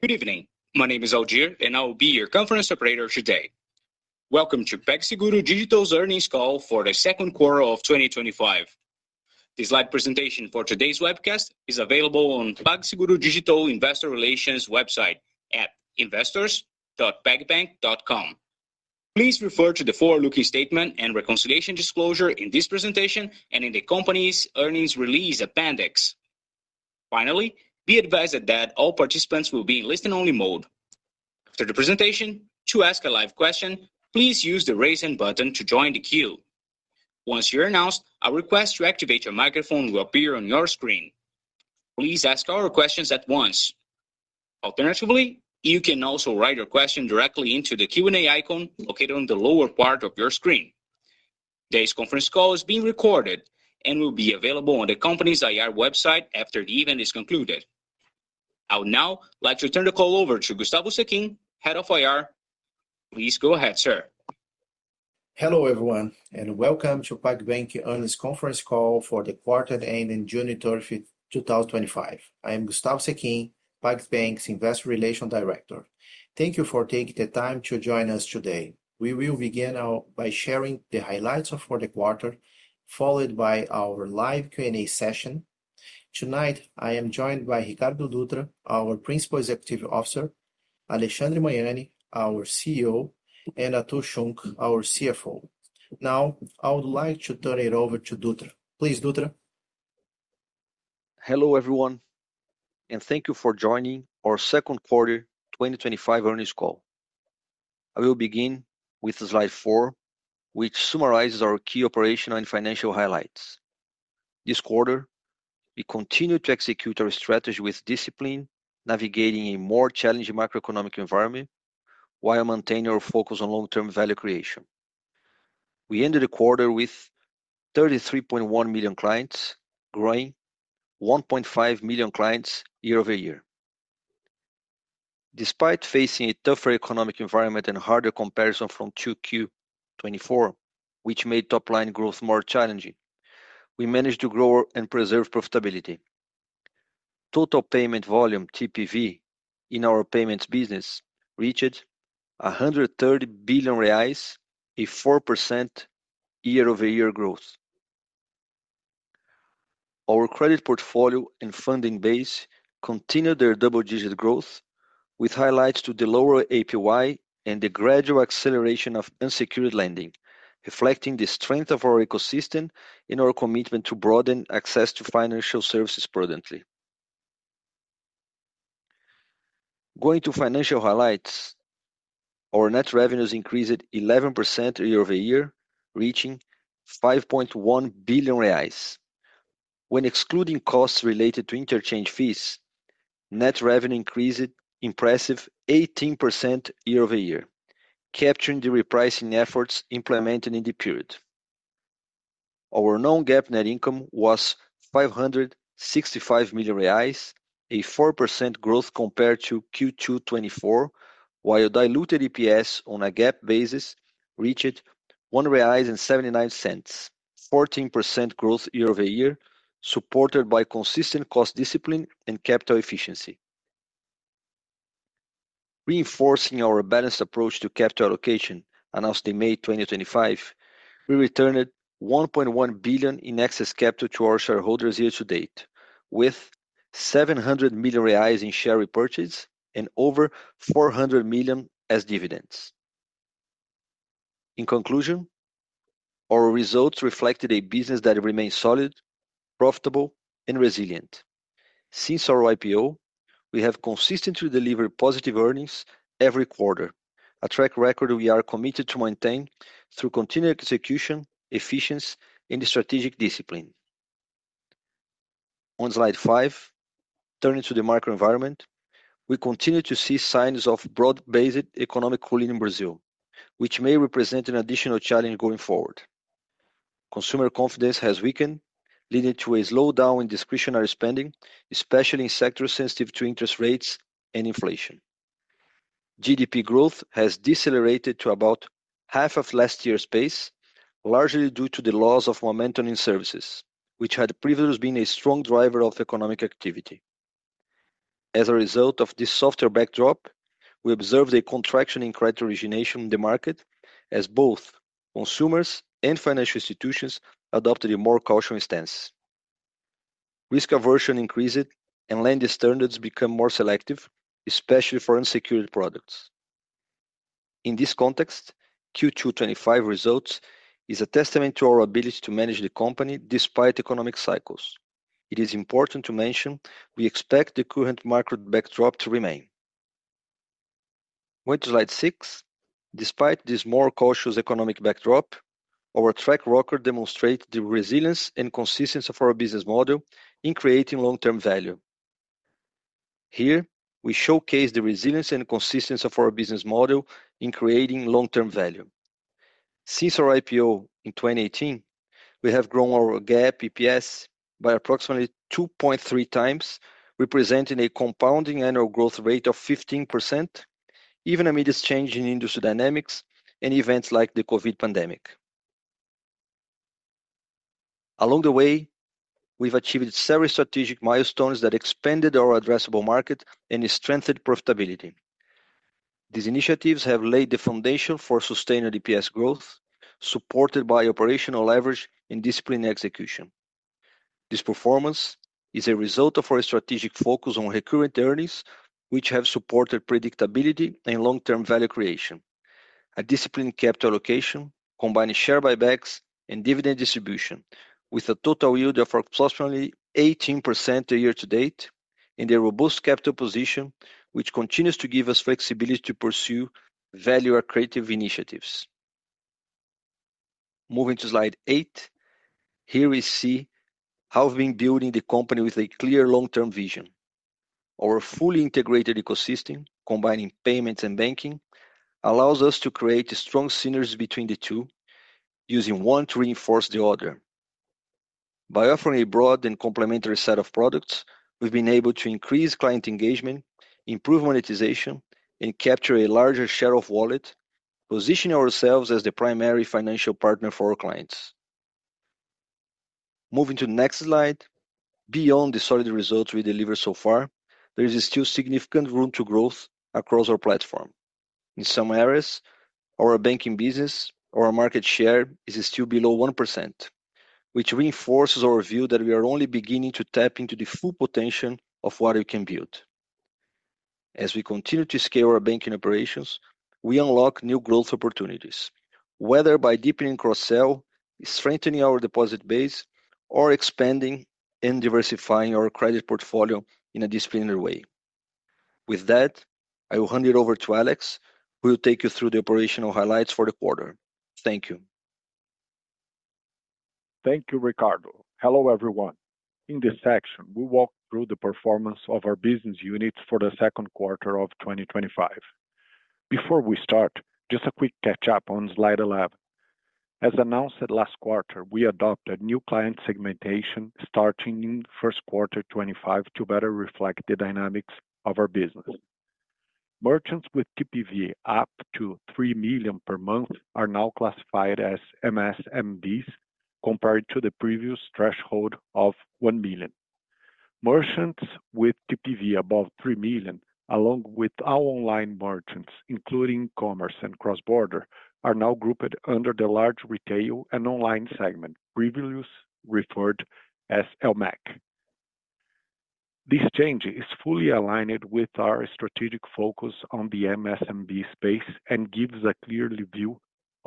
Good evening. My name is Algir, and I will be your conference operator today. Welcome to PagSeguro Digital's Earnings Call for the Q2 of 2025. This live presentation for today's webcast is available on PagSeguro Digital Investor Relations website at investors.pagbank.com. Please refer to the forward-looking statement and reconciliation disclosure in this presentation and in the company's earnings release appendix. Finally, be advised that all participants will be in listen-only mode. After the presentation, to ask a live question, please use the raise-hand button to join the queue. Once you're announced, a request to activate your microphone will appear on your screen. Please ask all your questions at once. Alternatively, you can also write your question directly into the Q&A icon located on the lower part of your screen. Today's conference call is being recorded and will be available on the company's IR website after the event is concluded. I would now like to turn the call over to Gustavo Sechin, Head of IR. Please go ahead, sir. Hello everyone, and welcome to PagBank earnings conference call for the quarter ending June 30, 2025. I am Gustavo Sechin, PagBank's Investor Relations Director. Thank you for taking the time to join us today. We will begin by sharing the highlights for the quarter, followed by our live Q&A session. Tonight, I am joined by Ricardo Dutra, our Principal Executive Officer, Alexandre Magnani, our CEO, and Artur Schunck, our CFO. Now, I would like to turn it over to Dutra. Please, Dutra. Hello everyone, and thank you for joining our Q2 2025 Earnings Call. I will begin with Slide 4, which summarizes our key operational and financial highlights. This quarter, we continue to execute our strategy with discipline, navigating a more challenging macroeconomic environment while maintaining our focus on long-term value creation. We ended the quarter with 33.1 million clients, growing 1.5 million clients year over year. Despite facing a tougher economic environment and harder comparison from Q2 to 2024, which made top-line growth more challenging, we managed to grow and preserve profitability. Total payment volume (TPV) in our payments business reached 130 billion reais, a 4% year-over-year growth. Our credit portfolio and funding base continued their double-digit growth, with highlights to the lower APY and the gradual acceleration of unsecured lending, reflecting the strength of our ecosystem and our commitment to broaden access to financial services prudently. Going to financial highlights, our net revenues increased 11% year-over-year, reaching 5.1 billion reais. When excluding costs related to interchange fees, net revenue increased an impressive 18% year-over-year, capturing the repricing efforts implemented in the period. Our non-GAAP net income was 565 million reais, a 4% growth compared to Q2 '24, while our diluted EPS on a GAAP basis reached 1.79 reais, a 14% growth year-over-year, supported by consistent cost discipline and capital efficiency. Reinforcing our balanced approach to capital allocation announced in May 2025, we returned 1.1 billion in excess capital to our shareholders year to date, with 700 million reais in share repurchase and over 400 million as dividends. In conclusion, our results reflected a business that remains solid, profitable, and resilient. Since our IPO, we have consistently delivered positive earnings every quarter, a track record we are committed to maintain through continued execution, efficiency, and strategic discipline. On Slide 5, turning to the macro environment, we continue to see signs of broad-based economic cooling in Brazil, which may represent an additional challenge going forward. Consumer confidence has weakened, leading to a slowdown in discretionary spending, especially in sectors sensitive to interest rates and inflation. GDP growth has decelerated to about half of last year's pace, largely due to the loss of momentum in services, which had previously been a strong driver of economic activity. As a result of this softer backdrop, we observed a contraction in credit origination in the market, as both consumers and financial institutions adopted a more cautious stance. Risk aversion increased, and lending standards became more selective, especially for unsecured products. In this context, Q2 to Q2 2025 results are a testament to our ability to manage the company despite economic cycles. It is important to mention we expect the current macro backdrop to remain. Going to Slide 6, despite this more cautious economic backdrop, our track record demonstrates the resilience and consistency of our business model in creating long-term value. Here, we showcase the resilience and consistency of our business model in creating long-term value. Since our IPO in 2018, we have grown our GAAP EPS by approximately 2.3 times, representing a compounding annual growth rate of 15%, even amidst changes in industry dynamics and events like the COVID pandemic. Along the way, we've achieved several strategic milestones that expanded our addressable market and strengthened profitability. These initiatives have laid the foundation for sustained EPS growth, supported by operational leverage and disciplined execution. This performance is a result of our strategic focus on recurrent earnings, which have supported predictability and long-term value creation. A disciplined capital allocation combines share buybacks and dividend distribution, with a total yield of approximately 18% year to date and a robust capital position, which continues to give us flexibility to pursue value-accretive initiatives. Moving to Slide 8, here we see how we've been building the company with a clear long-term vision. Our fully integrated ecosystem, combining payments and banking, allows us to create strong synergies between the two, using one to reinforce the other. By offering a broad and complementary set of products, we've been able to increase client engagement, improve monetization, and capture a larger share of wallet, positioning ourselves as the primary financial partner for our clients. Moving to the next slide, beyond the solid results we delivered so far, there is still significant room to grow across our platform. In some areas, our banking business, our market share is still below 1%, which reinforces our view that we are only beginning to tap into the full potential of what we can build. As we continue to scale our banking operations, we unlock new growth opportunities, whether by deepening cross-sell, strengthening our deposit base, or expanding and diversifying our credit portfolio in a disciplined way. With that, I will hand it over to Alexandre, who will take you through the operational highlights for the quarter. Thank you. Thank you, Ricardo. Hello everyone. In this section, we walk through the performance of our business units for the Q2 of 2025. Before we start, just a quick catch-up on Slide 11. As announced last quarter, we adopted new client segmentation starting in Q1 2025 to better reflect the dynamics of our business. Merchants with TPV up to R$3 million per month are now classified as MSMBs, compared to the previous threshold of R$1 million. Merchants with TPV above R$3 million, along with all online merchants, including e-commerce and cross-border, are now grouped under the Large Retail and Online segment, previously referred as LMAC. This change is fully aligned with our strategic focus on the MSMB space and gives a clear view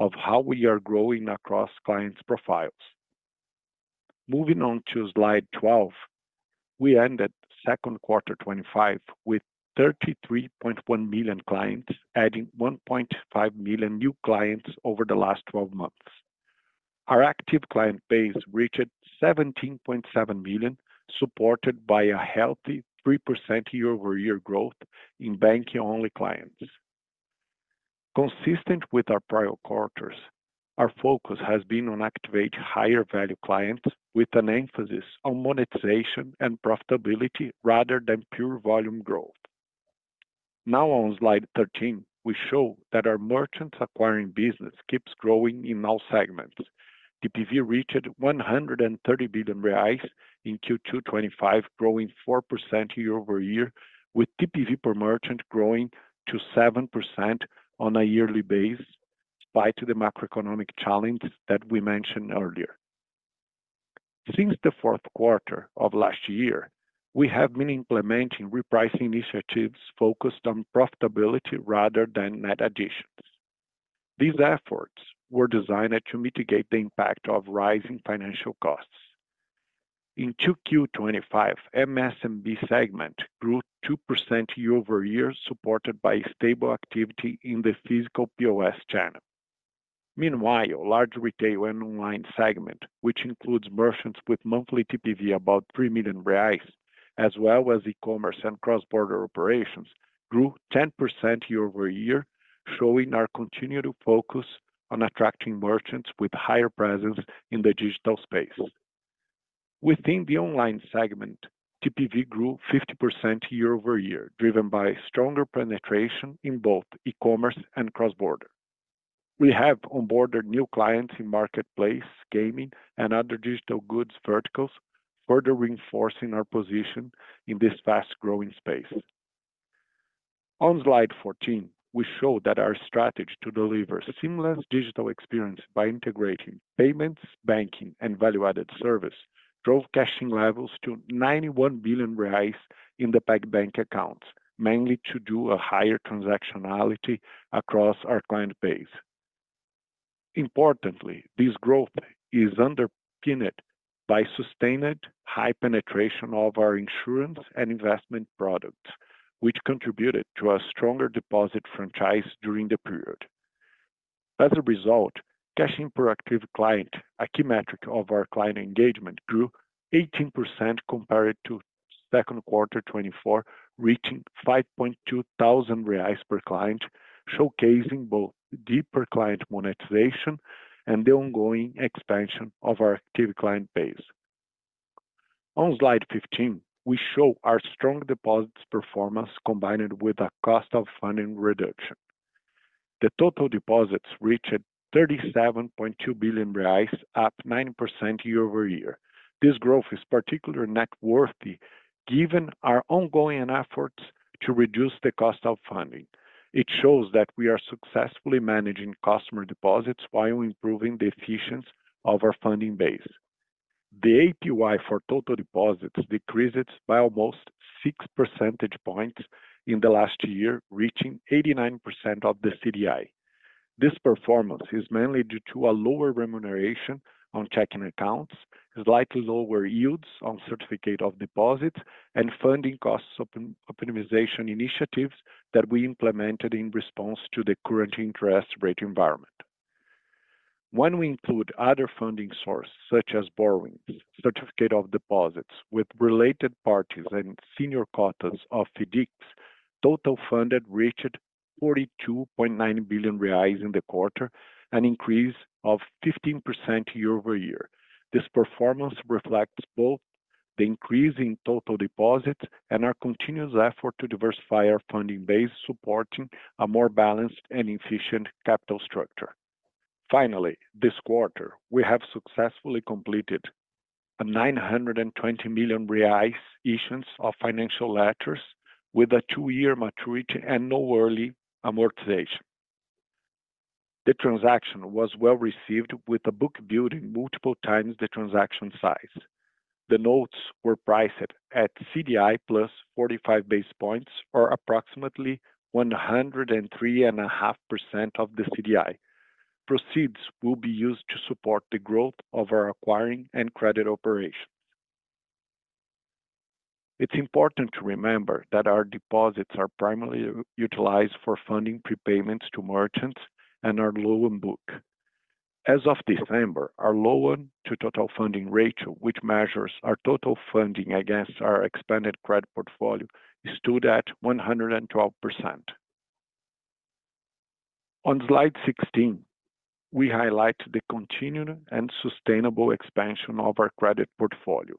of how we are growing across client profiles. Moving on to Slide 12, we ended Q2 2025 with 33.1 million clients, adding 1.5 million new clients over the last 12 months. Our active client base reached 17.7 million, supported by a healthy 3% year-over-year growth in banking-only clients. Consistent with our prior quarters, our focus has been on activating higher-value clients, with an emphasis on monetization and profitability rather than pure volume growth. Now, on Slide 13, we show that our merchants-acquiring business keeps growing in all segments. TPV reached 130 billion reais in Q2 2025, growing 4% year-over-year, with TPV per merchant growing to 7% on a yearly basis, despite the macroeconomic challenges that we mentioned earlier. Since the Q4 of last year, we have been implementing repricing initiatives focused on profitability rather than net additions. These efforts were designed to mitigate the impact of rising financial costs. In Q2 2024, the MSMB segment grew 2% year-over-year, supported by stable activity in the physical POS channel. Meanwhile, the large retail and online segment, which includes merchants with monthly TPV above R$3 million, as well as e-commerce and cross-border operations, grew 10% year-over-year, showing our continued focus on attracting merchants with a higher presence in the digital space. Within the online segment, TPV grew 50% year-over-year, driven by stronger penetration in both e-commerce and cross-border. We have onboarded new clients in marketplace, gaming, and other digital goods verticals, further reinforcing our position in this fast-growing space. On Slide 14, we show that our strategy to deliver seamless digital experiences by integrating payments, banking, and value-added services drove cash-in levels to R$91 billion in the PagBank accounts, meant to double the transactionality across our client base. Importantly, this growth is underpinned by sustained high penetration of our insurance and investment products, which contributed to a stronger deposit franchise during the period. As a result, cashing per active client, a key metric of our client engagement, grew 18% compared to Q2 '23, reaching 5.2 million reais per client, showcasing both deeper client monetization and the ongoing expansion of our active client base. On Slide 15, we show our strong deposits performance combined with a cost of funding reduction. The total deposits reached 37.2 billion reais, up 9% year-over-year. This growth is particularly noteworthy given our ongoing efforts to reduce the cost of funding. It shows that we are successfully managing customer deposits while improving the efficiency of our funding base. The APY for total deposits decreased by almost 6 percentage points in the last year, reaching 89% of the CDI. This performance is mainly due to a lower remuneration on checking accounts, slightly lower yields on certificate of deposits, and funding cost optimization initiatives that we implemented in response to the current interest rate environment. When we include other funding sources, such as borrowings, certificate of deposits with related parties, and senior quotas of FIDCs, total funded reached 42.9 billion reais in the quarter, an increase of 15% year-over-year. This performance reflects both the increase in total deposits and our continuous effort to diversify our funding base, supporting a more balanced and efficient capital structure. Finally, this quarter, we have successfully completed 920 million reais issuance of financial letters with a two-year maturity and no early amortization. The transaction was well received, with the book building multiple times the transaction size. The notes were priced at CDI plus 45 basis points, or approximately 103.5% of the CDI. Proceeds will be used to support the growth of our acquiring and credit operations. It's important to remember that our deposits are primarily utilized for funding prepayments to merchants and our loan book. As of December, our loan-to-total funding ratio, which measures our total funding against our expanded credit portfolio, stood at 112%. On Slide 16, we highlight the continued and sustainable expansion of our credit portfolio.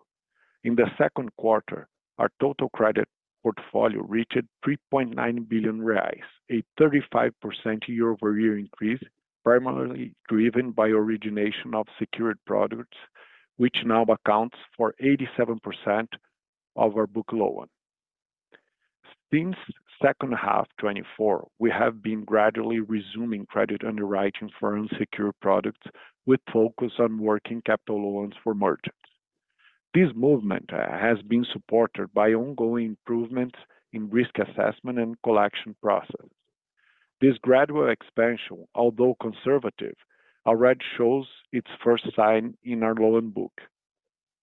In the Q2, our total credit portfolio reached 3.9 billion reais, a 35% year-over-year increase, primarily driven by origination of secured products, which now accounts for 87% of our loan book. Since Q2 to Q2 2024, we have been gradually resuming credit underwriting for unsecured products, with focus on working capital loans for merchants. This movement has been supported by ongoing improvements in risk assessment and collection processes. This gradual expansion, although conservative, already shows its first sign in our loan book.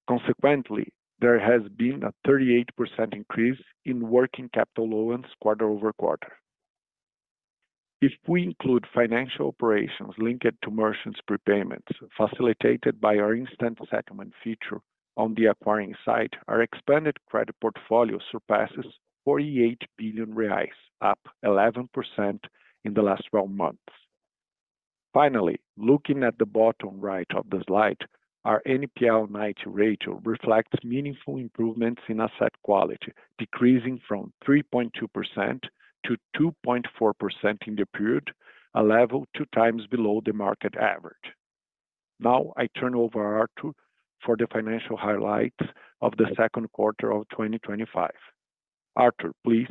Consequently, there has been a 38% increase in working capital loans quarter over quarter. If we include financial operations linked to merchants' prepayments, facilitated by our instant settlement feature on the acquiring side, our expanded credit portfolio surpasses R$48 billion, up 11% in the last 12 months. Finally, looking at the bottom right of the slide, our NPL ratio reflects meaningful improvements in asset quality, decreasing from 3.2% to 2.4% in the period, a level two times below the market average. Now, I turn over to Artur for the financial highlights of the Q2 of 2025. Artur, please.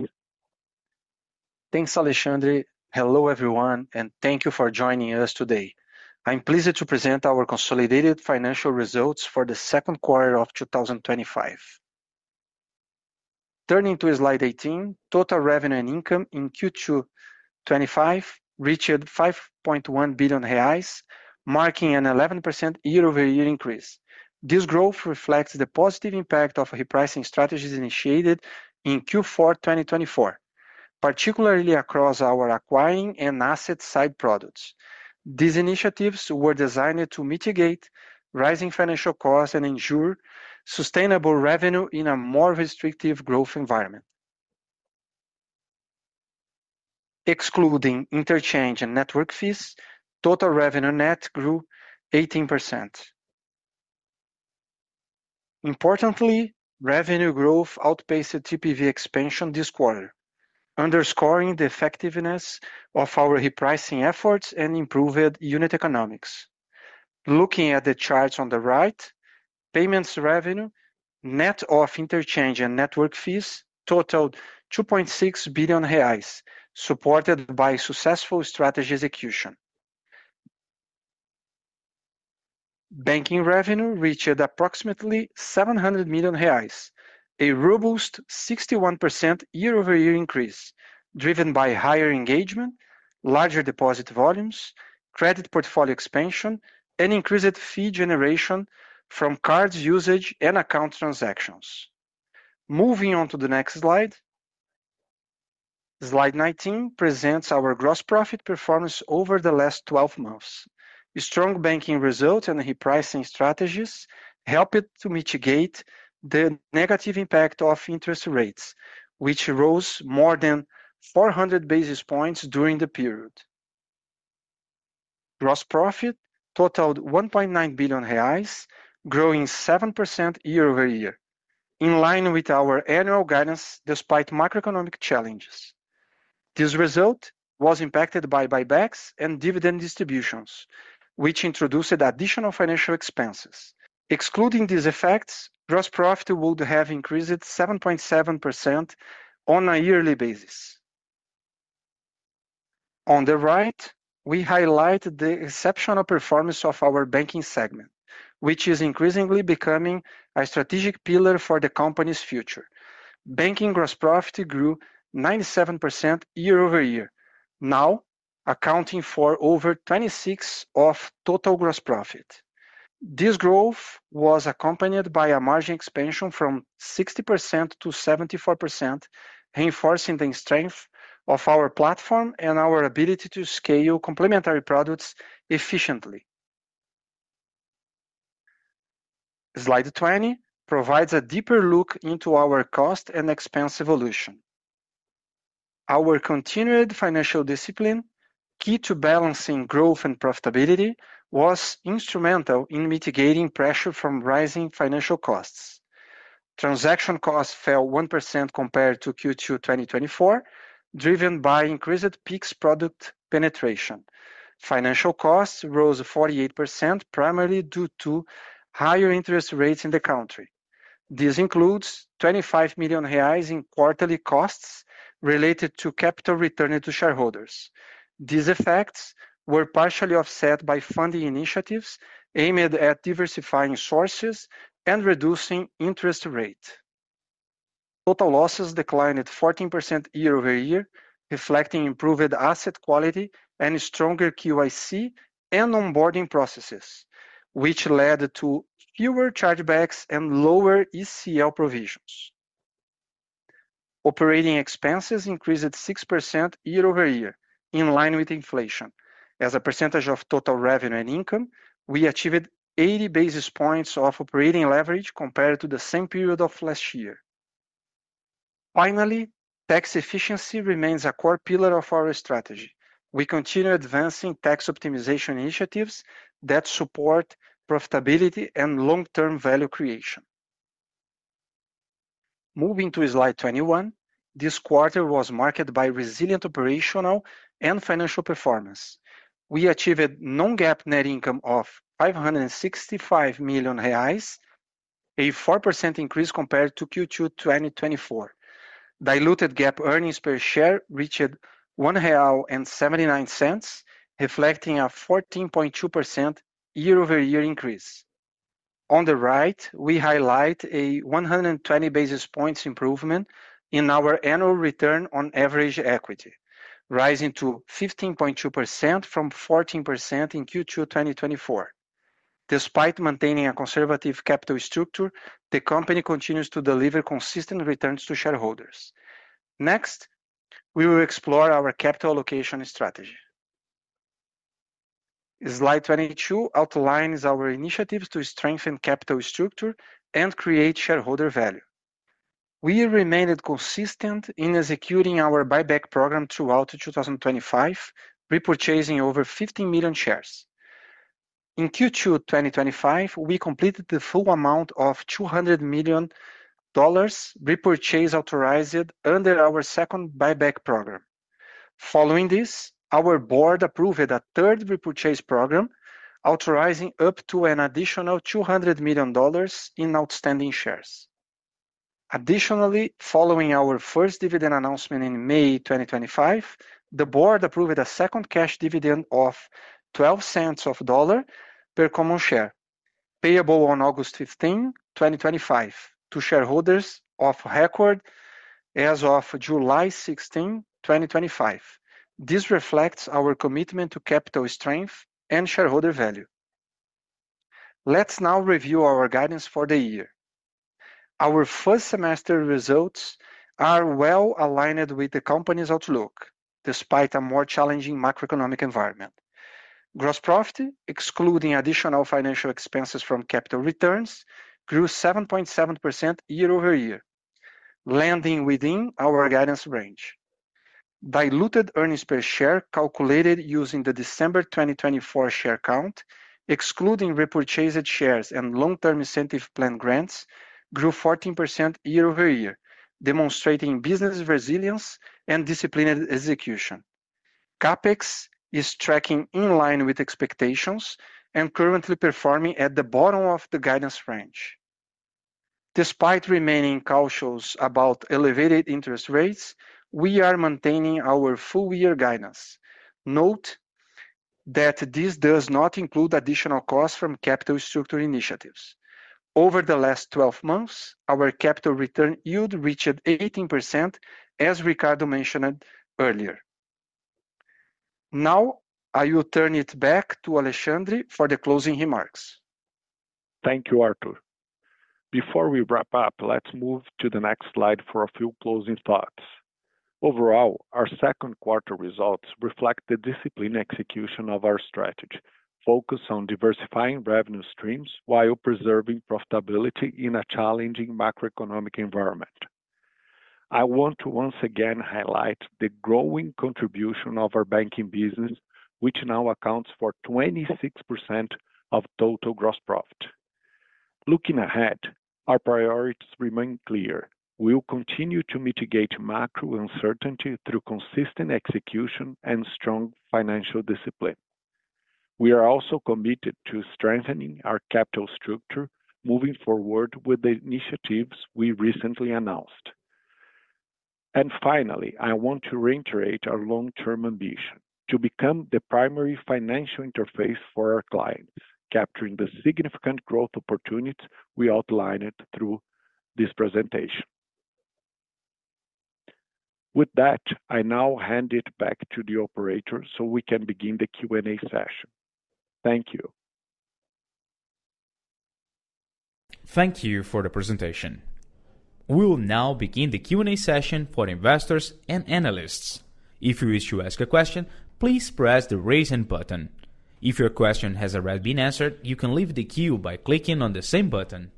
Thanks, Alexandre. Hello, everyone, and thank you for joining us today. I'm pleased to present our consolidated financial results for the Q2 of 2025. Turning to Slide 18, total revenue and income in Q2 to 2025 reached 5.1 billion reais, marking an 11% year-over-year increase. This growth reflects the positive impact of repricing strategies initiated in Q4 2024, particularly across our acquiring and asset-side products. These initiatives were designed to mitigate rising financial costs and ensure sustainable revenue in a more restrictive growth environment. Excluding interchange and network fees, total revenue net grew 18%. Importantly, revenue growth outpaced TPV expansion this quarter, underscoring the effectiveness of our repricing efforts and improved unit economics. Looking at the charts on the right, payments revenue, net of interchange and network fees, totaled 2.6 billion reais, supported by successful strategy execution. Banking revenue reached approximately 700 million reais, a robust 61% year-over-year increase, driven by higher engagement, larger deposit volumes, credit portfolio expansion, and increased fee generation from cards usage and account transactions. Moving on to the next slide, Slide 19 presents our gross profit performance over the last 12 months. Strong banking results and repricing strategies helped to mitigate the negative impact of interest rates, which rose more than 400 basis points during the period. Gross profit totaled 1.9 billion reais, growing 7% year-over-year, in line with our annual guidance despite macroeconomic challenges. This result was impacted by buybacks and dividend distributions, which introduced additional financial expenses. Excluding these effects, gross profit would have increased 7.7% on a yearly basis. On the right, we highlight the exceptional performance of our banking segment, which is increasingly becoming a strategic pillar for the company's future. Banking gross profit grew 97% year-over-year, now accounting for over 26% of total gross profit. This growth was accompanied by a margin expansion from 60% to 74%, reinforcing the strength of our platform and our ability to scale complementary products efficiently. Slide 20 provides a deeper look into our cost and expense evolution. Our continued financial discipline, key to balancing growth and profitability, was instrumental in mitigating pressure from rising financial costs. Transaction costs fell 1% compared to Q2 to Q2 2024, driven by increased fixed product penetration. Financial costs rose 48%, primarily due to higher interest rates in the country. This includes 25 million reais in quarterly costs related to capital returning to shareholders. These effects were partially offset by funding initiatives aimed at diversifying sources and reducing interest rates. Total losses declined 14% year-over-year, reflecting improved asset quality and stronger QIC and onboarding processes, which led to fewer chargebacks and lower ECL provisions. Operating expenses increased 6% year-over-year, in line with inflation. As a percentage of total revenue and income, we achieved 80 basis points of operating leverage compared to the same period of last year. Finally, tax efficiency remains a core pillar of our strategy. We continue advancing tax optimization initiatives that support profitability and long-term value creation. Moving to Slide 21, this quarter was marked by resilient operational and financial performance. We achieved a non-GAAP net income of R$565 million, a 4% increase compared to Q2 2024. Diluted GAAP earnings per share reached R$1.79, reflecting a 14.2% year-over-year increase. On the right, we highlight a 120 basis points improvement in our annual return on average equity, rising to 15.2% from 14% in Q2 2024. Despite maintaining a conservative capital structure, the company continues to deliver consistent returns to shareholders. Next, we will explore our capital allocation strategy. Slide 22 outlines our initiatives to strengthen capital structure and create shareholder value. We remained consistent in executing our buyback program throughout 2025, repurchasing over 15 million shares. In Q2 2025, we completed the full amount of $200 million repurchase authorized under our second buyback program. Following this, our board approved a third repurchase program, authorizing up to an additional $200 million in outstanding shares. Additionally, following our first dividend announcement in May 2025, the board approved a second cash dividend of $0.12 per common share, payable on August 15, 2025, to shareholders of record as of July 16, 2025. This reflects our commitment to capital strength and shareholder value. Let's now review our guidance for the year. Our first semester results are well aligned with the company's outlook, despite a more challenging macroeconomic environment. Gross profit, excluding additional financial expenses from capital returns, grew 7.7% year-over-year, landing within our guidance range. Diluted earnings per share, calculated using the December 2024 share count, excluding repurchased shares and long-term incentive plan grants, grew 14% year-over-year, demonstrating business resilience and disciplined execution. CapEx is tracking in line with expectations and currently performing at the bottom of the guidance range. Despite remaining cautious about elevated interest rates, we are maintaining our full-year guidance. Note that this does not include additional costs from capital structure initiatives. Over the last 12 months, our capital return yield reached 18%, as Ricardo mentioned earlier. Now, I will turn it back to Alexandre for the closing remarks. Thank you, Artur. Before we wrap up, let's move to the next slide for a few closing thoughts. Overall, our Q2 results reflect the disciplined execution of our strategy, focused on diversifying revenue streams while preserving profitability in a challenging macroeconomic environment. I want to once again highlight the growing contribution of our banking business, which now accounts for 26% of total gross profit. Looking ahead, our priorities remain clear. We'll continue to mitigate macro uncertainty through consistent execution and strong financial discipline. We are also committed to strengthening our capital structure moving forward with the initiatives we recently announced. And finally, I want to reiterate our long-term ambition to become the primary financial interface for our clients, capturing the significant growth opportunities we outlined through this presentation. With that, I now hand it back to the operators so we can begin the Q&A session. Thank you. Thank you for the presentation. We will now begin the Q&A session for investors and analysts. If you wish to ask a question, please press the Raise Hand button. If your question has already been answered, you can leave the queue by clicking on the same button.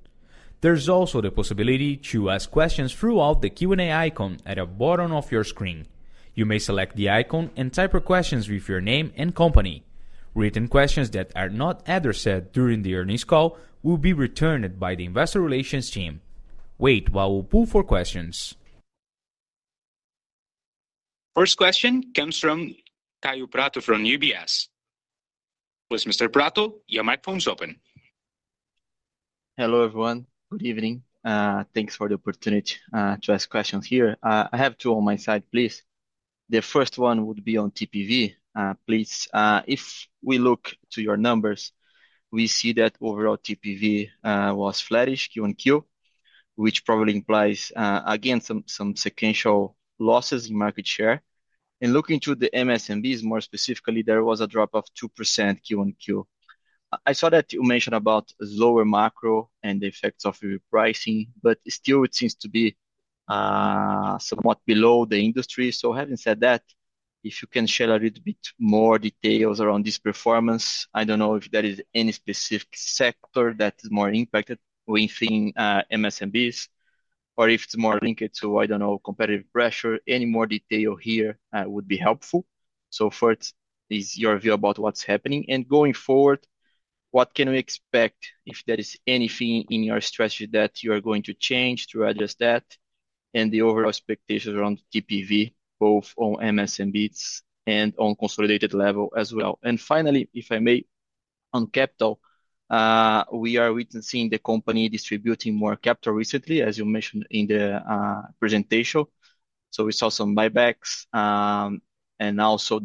There's also the possibility to ask questions through the Q&A icon at the bottom of your screen. You may select the icon and type your questions with your name and company. Written questions that are not addressed during the earnings call will be returned by the Investor Relations team. Wait while we pull for questions. First question comes from Kaio Prato from UBS. Mr. Prato, your microphone is open. Hello, everyone. Good evening. Thanks for the opportunity to ask questions here. I have two on my side, please. The first one would be on TPV. Please, if we look to your numbers, we see that overall TPV was flattish Q1Q, which probably implies, again, some sequential losses in market share, and looking to the MSMBs, more specifically, there was a drop of 2% Q1Q. I saw that you mentioned about slower macro and the effects of repricing, but still, it seems to be somewhat below the industry, so having said that, if you can share a little bit more details around this performance, I don't know if there is any specific sector that is more impacted within MSMBs, or if it's more linked to, I don't know, competitive pressure. Any more detail here would be helpful, so first, is your view about what's happening? And going forward, what can we expect? If there is anything in your strategy that you are going to change to address that and the overall expectations around TPV, both on MSMBs and on consolidated level as well? And finally, if I may, on capital, we are witnessing the company distributing more capital recently, as you mentioned in the presentation. So, we saw some buybacks and also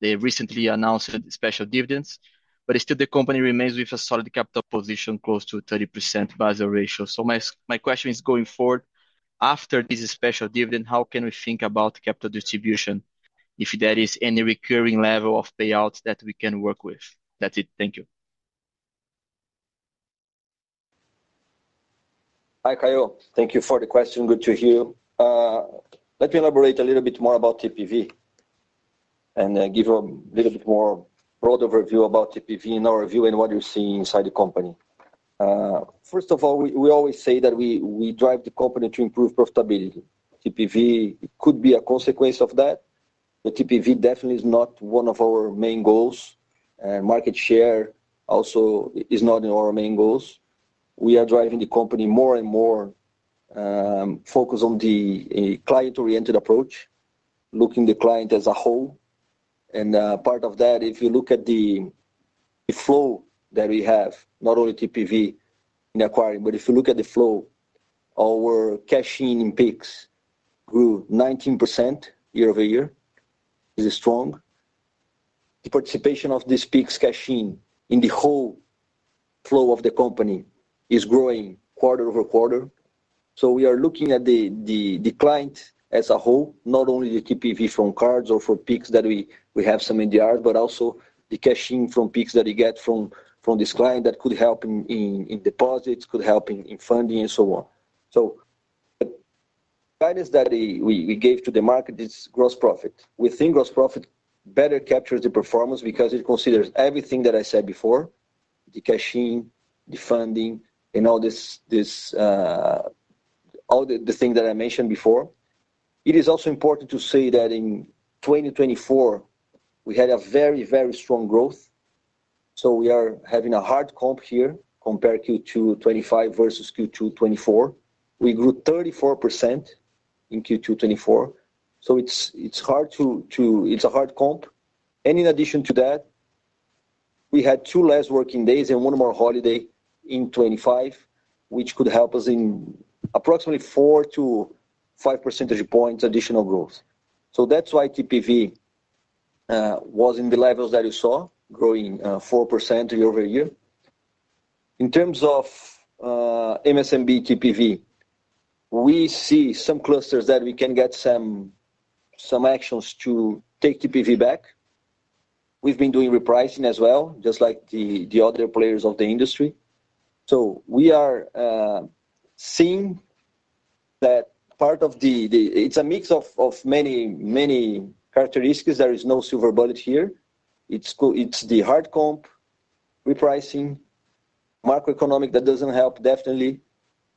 they recently announced special dividends, but still, the company remains with a solid capital position close to 30% BIS ratio. So, my question is, going forward, after this special dividend, how can we think about capital distribution if there is any recurring level of payouts that we can work with? That's it. Thank you. Hi, Kaio. Thank you for the question. Good to hear. Let me elaborate a little bit more about TPV and give you a little bit more broad overview about TPV in our view and what you see inside the company. First of all, we always say that we drive the company to improve profitability. TPV could be a consequence of that. The TPV definitely is not one of our main goals, and market share also is not in our main goals. We are driving the company more and more focused on the client-oriented approach, looking at the client as a whole. And part of that, if you look at the flow that we have, not only TPV in acquiring, but if you look at the flow, our cash-in in Pix grew 19% year-over-year. It's strong. The participation of these Pix cash-in in the whole flow of the company is growing quarter over quarter, so we are looking at the client as a whole, not only the TPV from cards or for Pix that we have some in the app, but also the cash-in from Pix that we get from this client that could help in deposits, could help in funding, and so on, so the guidance that we gave to the market is gross profit. We think gross profit better captures the performance because it considers everything that I said before: the cash-in, the funding, and all the things that I mentioned before. It is also important to say that in 2024, we had a very, very strong growth. We are having a hard comp here compared to Q2 2024. It's a hard comp. And in addition to that, we had two less working days and one more holiday in 2025, which could help us in approximately four to five percentage points additional growth. That's why TPV was in the levels that you saw, growing 4% year-over-year. In terms of MSMB TPV, we see some clusters that we can get some actions to take TPV back. We've been doing repricing as well, just like the other players of the industry. We are seeing that part of the. It's a mix of many, many characteristics. There is no silver bullet here. It's the hard comp, repricing, macroeconomic that doesn't help, definitely.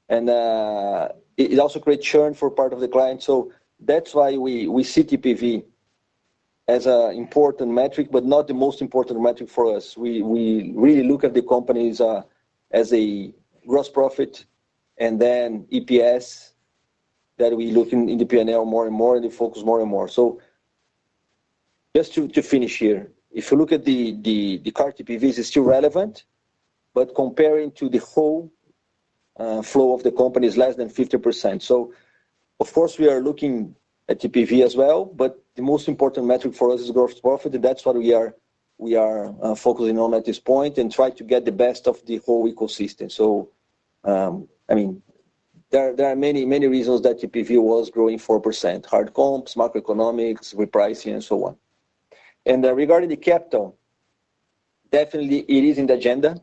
And it also creates churn for part of the client. That's why we see TPV as an important metric, but not the most important metric for us. We really look at the company's gross profit and then EPS that we look in the P&L more and more and the focus more and more. Just to finish here, if you look at the card TPVs, it's still relevant, but comparing to the whole flow of the company is less than 50%. Of course, we are looking at TPV as well, but the most important metric for us is gross profit, and that's what we are focusing on at this point and try to get the best of the whole ecosystem. I mean, there are many reasons that TPV was growing 4%: hard comps, macroeconomics, repricing, and so on. Regarding the capital, definitely it is in the agenda,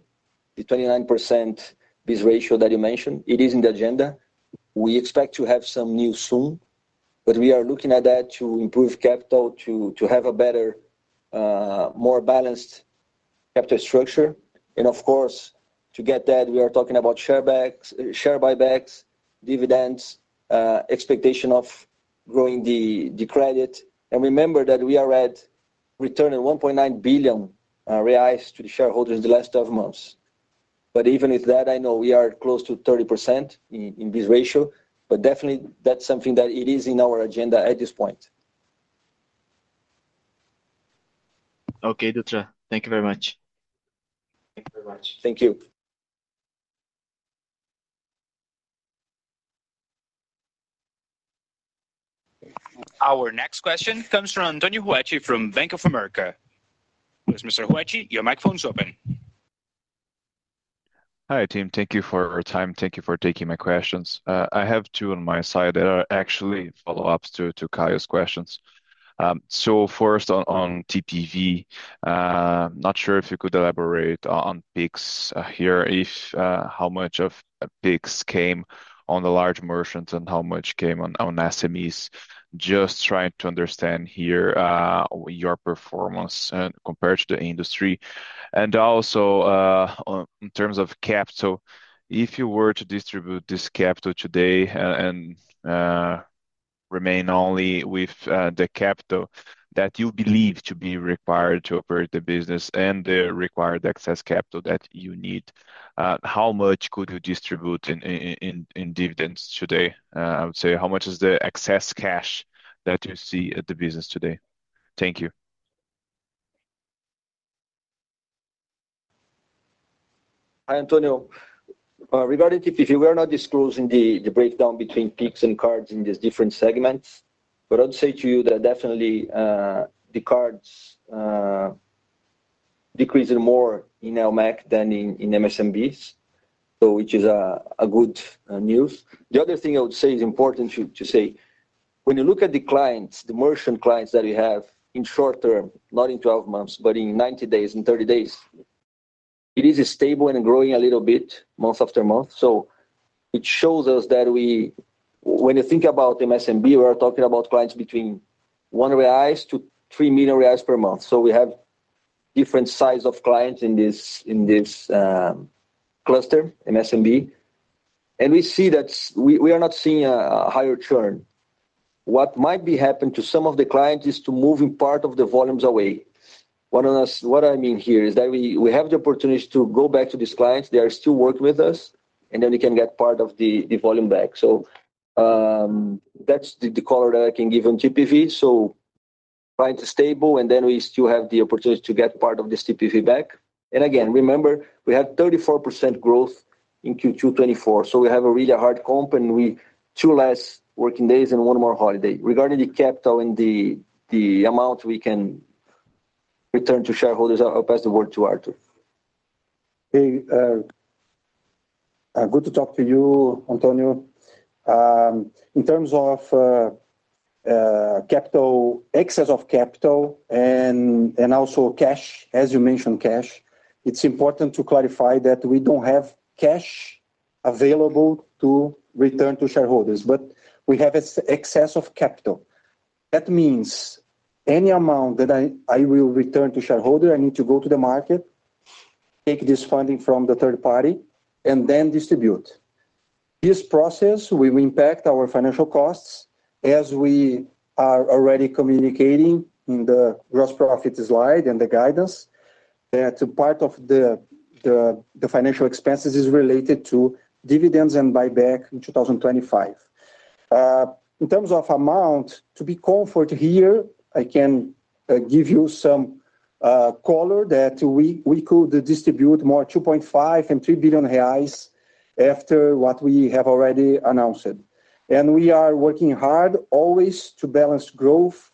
the 29% BIS ratio that you mentioned. It is in the agenda. We expect to have some news soon, but we are looking at that to improve capital, to have a better, more balanced capital structure. And of course, to get that, we are talking about share buybacks, dividends, expectation of growing the credit. And remember that we have returned 1.9 billion reais to the shareholders in the last 12 months. But even with that, I know we are close to 30% BIS ratio, but definitely that's something that it is in our agenda at this point. Okay, Dutra. Thank you very much. Thank you very much. Thank you. Our next question comes from Antonio Ruette from Bank of America. Mr. Ruche, your microphone is open. Hi, team. Thank you for your time. Thank you for taking my questions. I have two on my side that are actually follow-ups to Caio's questions. So, first, on TPV, not sure if you could elaborate on Pix here, how much of Pix came on the large merchants and how much came on SMEs. Just trying to understand here your performance compared to the industry. And also, in terms of capital, if you were to distribute this capital today and remain only with the capital that you believe to be required to operate the business and the required excess capital that you need, how much could you distribute in dividends today? I would say, how much is the excess cash that you see at the business today? Thank you. Hi, Antonio. Regarding TPV, we are not disclosing the breakdown between Pix and cards in these different segments, but I would say to you that definitely the cards decrease more in LMAC than in MSMBs, which is good news. The other thing I would say is important to say, when you look at the clients, the merchant clients that we have in short term, not in 12 months, but in 90 days, in 30 days, it is stable and growing a little bit month after month. So, it shows us that when you think about MSMB, we are talking about clients between 1 reais to 3 million reais per month. So, we have different sizes of clients in this cluster, MSMB. And we see that we are not seeing a higher churn. What might happen to some of the clients is to move part of the volumes away. What I mean here is that we have the opportunity to go back to these clients. They are still working with us, and then we can get part of the volume back. That's the color that I can give on TPV. Clients are stable, and then we still have the opportunity to get part of this TPV back. Again, remember, we have 34% growth in Q2 to Q4. We have a really hard comp and two less working days and one more holiday. Regarding the capital and the amount we can return to shareholders, I'll pass the word to Artur. Hey. Good to talk to you, Antonio. In terms of capital, excess of capital, and also cash, as you mentioned, cash, it's important to clarify that we don't have cash available to return to shareholders, but we have excess of capital. That means any amount that I will return to shareholders, I need to go to the market, take this funding from the third party, and then distribute. This process will impact our financial costs, as we are already communicating in the gross profit slide and the guidance that part of the financial expenses is related to dividends and buyback in 2025. In terms of amount, to be comfortable here, I can give you some color that we could distribute more 2.5 billion-3 billion reais after what we have already announced. We are working hard always to balance growth,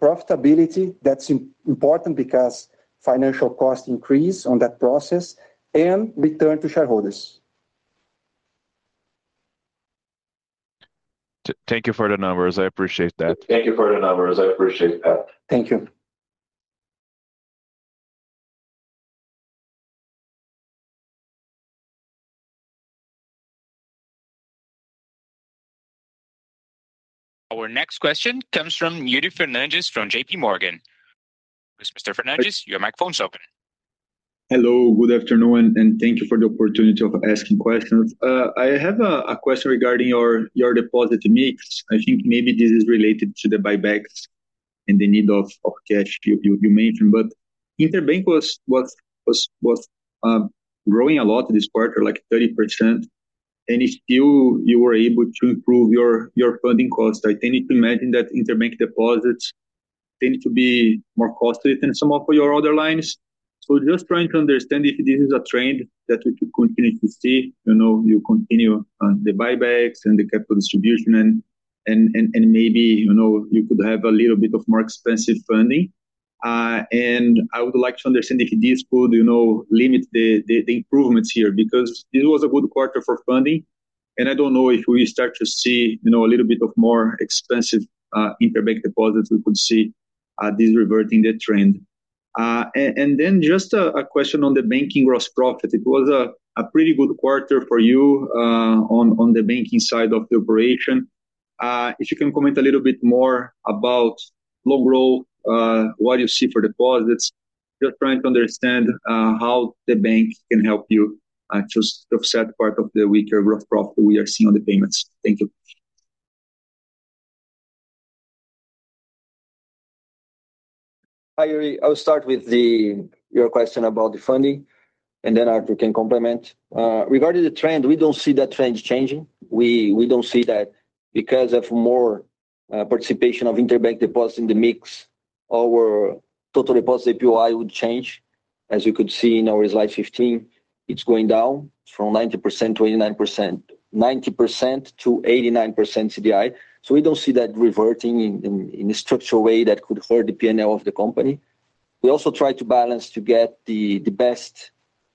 profitability. That's important because financial costs increase on that process, and return to shareholders. Thank you for the numbers. I appreciate that. Thank you for the numbers. I appreciate that. Thank you. Our next question comes from Yuri Fernandes from JP Morgan. Mr. Fernandes, your microphone is open. Hello. Good afternoon, and thank you for the opportunity of asking questions. I have a question regarding your deposit mix. I think maybe this is related to the buybacks and the need of cash you mentioned, but Interbank was growing a lot this quarter, like 30%, and still, you were able to improve your funding cost. I tend to imagine that Interbank deposits tend to be more costly than some of your other lines. So, just trying to understand if this is a trend that we could continue to see, you continue the buybacks and the capital distribution, and maybe you could have a little bit of more expensive funding. I would like to understand if this could limit the improvements here because this was a good quarter for funding, and I don't know if we start to see a little bit of more expensive interbank deposits, we could see this reverting the trend. Then just a question on the banking gross profit. It was a pretty good quarter for you on the banking side of the operation. If you can comment a little bit more about longer-term, what you see for deposits, just trying to understand how the bank can help you to offset part of the weaker gross profit we are seeing on the payments. Thank you. Hi, Yuri. I'll start with your question about the funding, and then Artur can complement. Regarding the trend, we don't see that trend changing. We don't see that because of more participation of interbank deposits in the mix, our total deposit APY would change, as you could see in our Slide 15. It's going down from 90% to 89%, 90% to 89% CDI. So, we don't see that reverting in a structural way that could hurt the P&L of the company. We also try to balance to get the best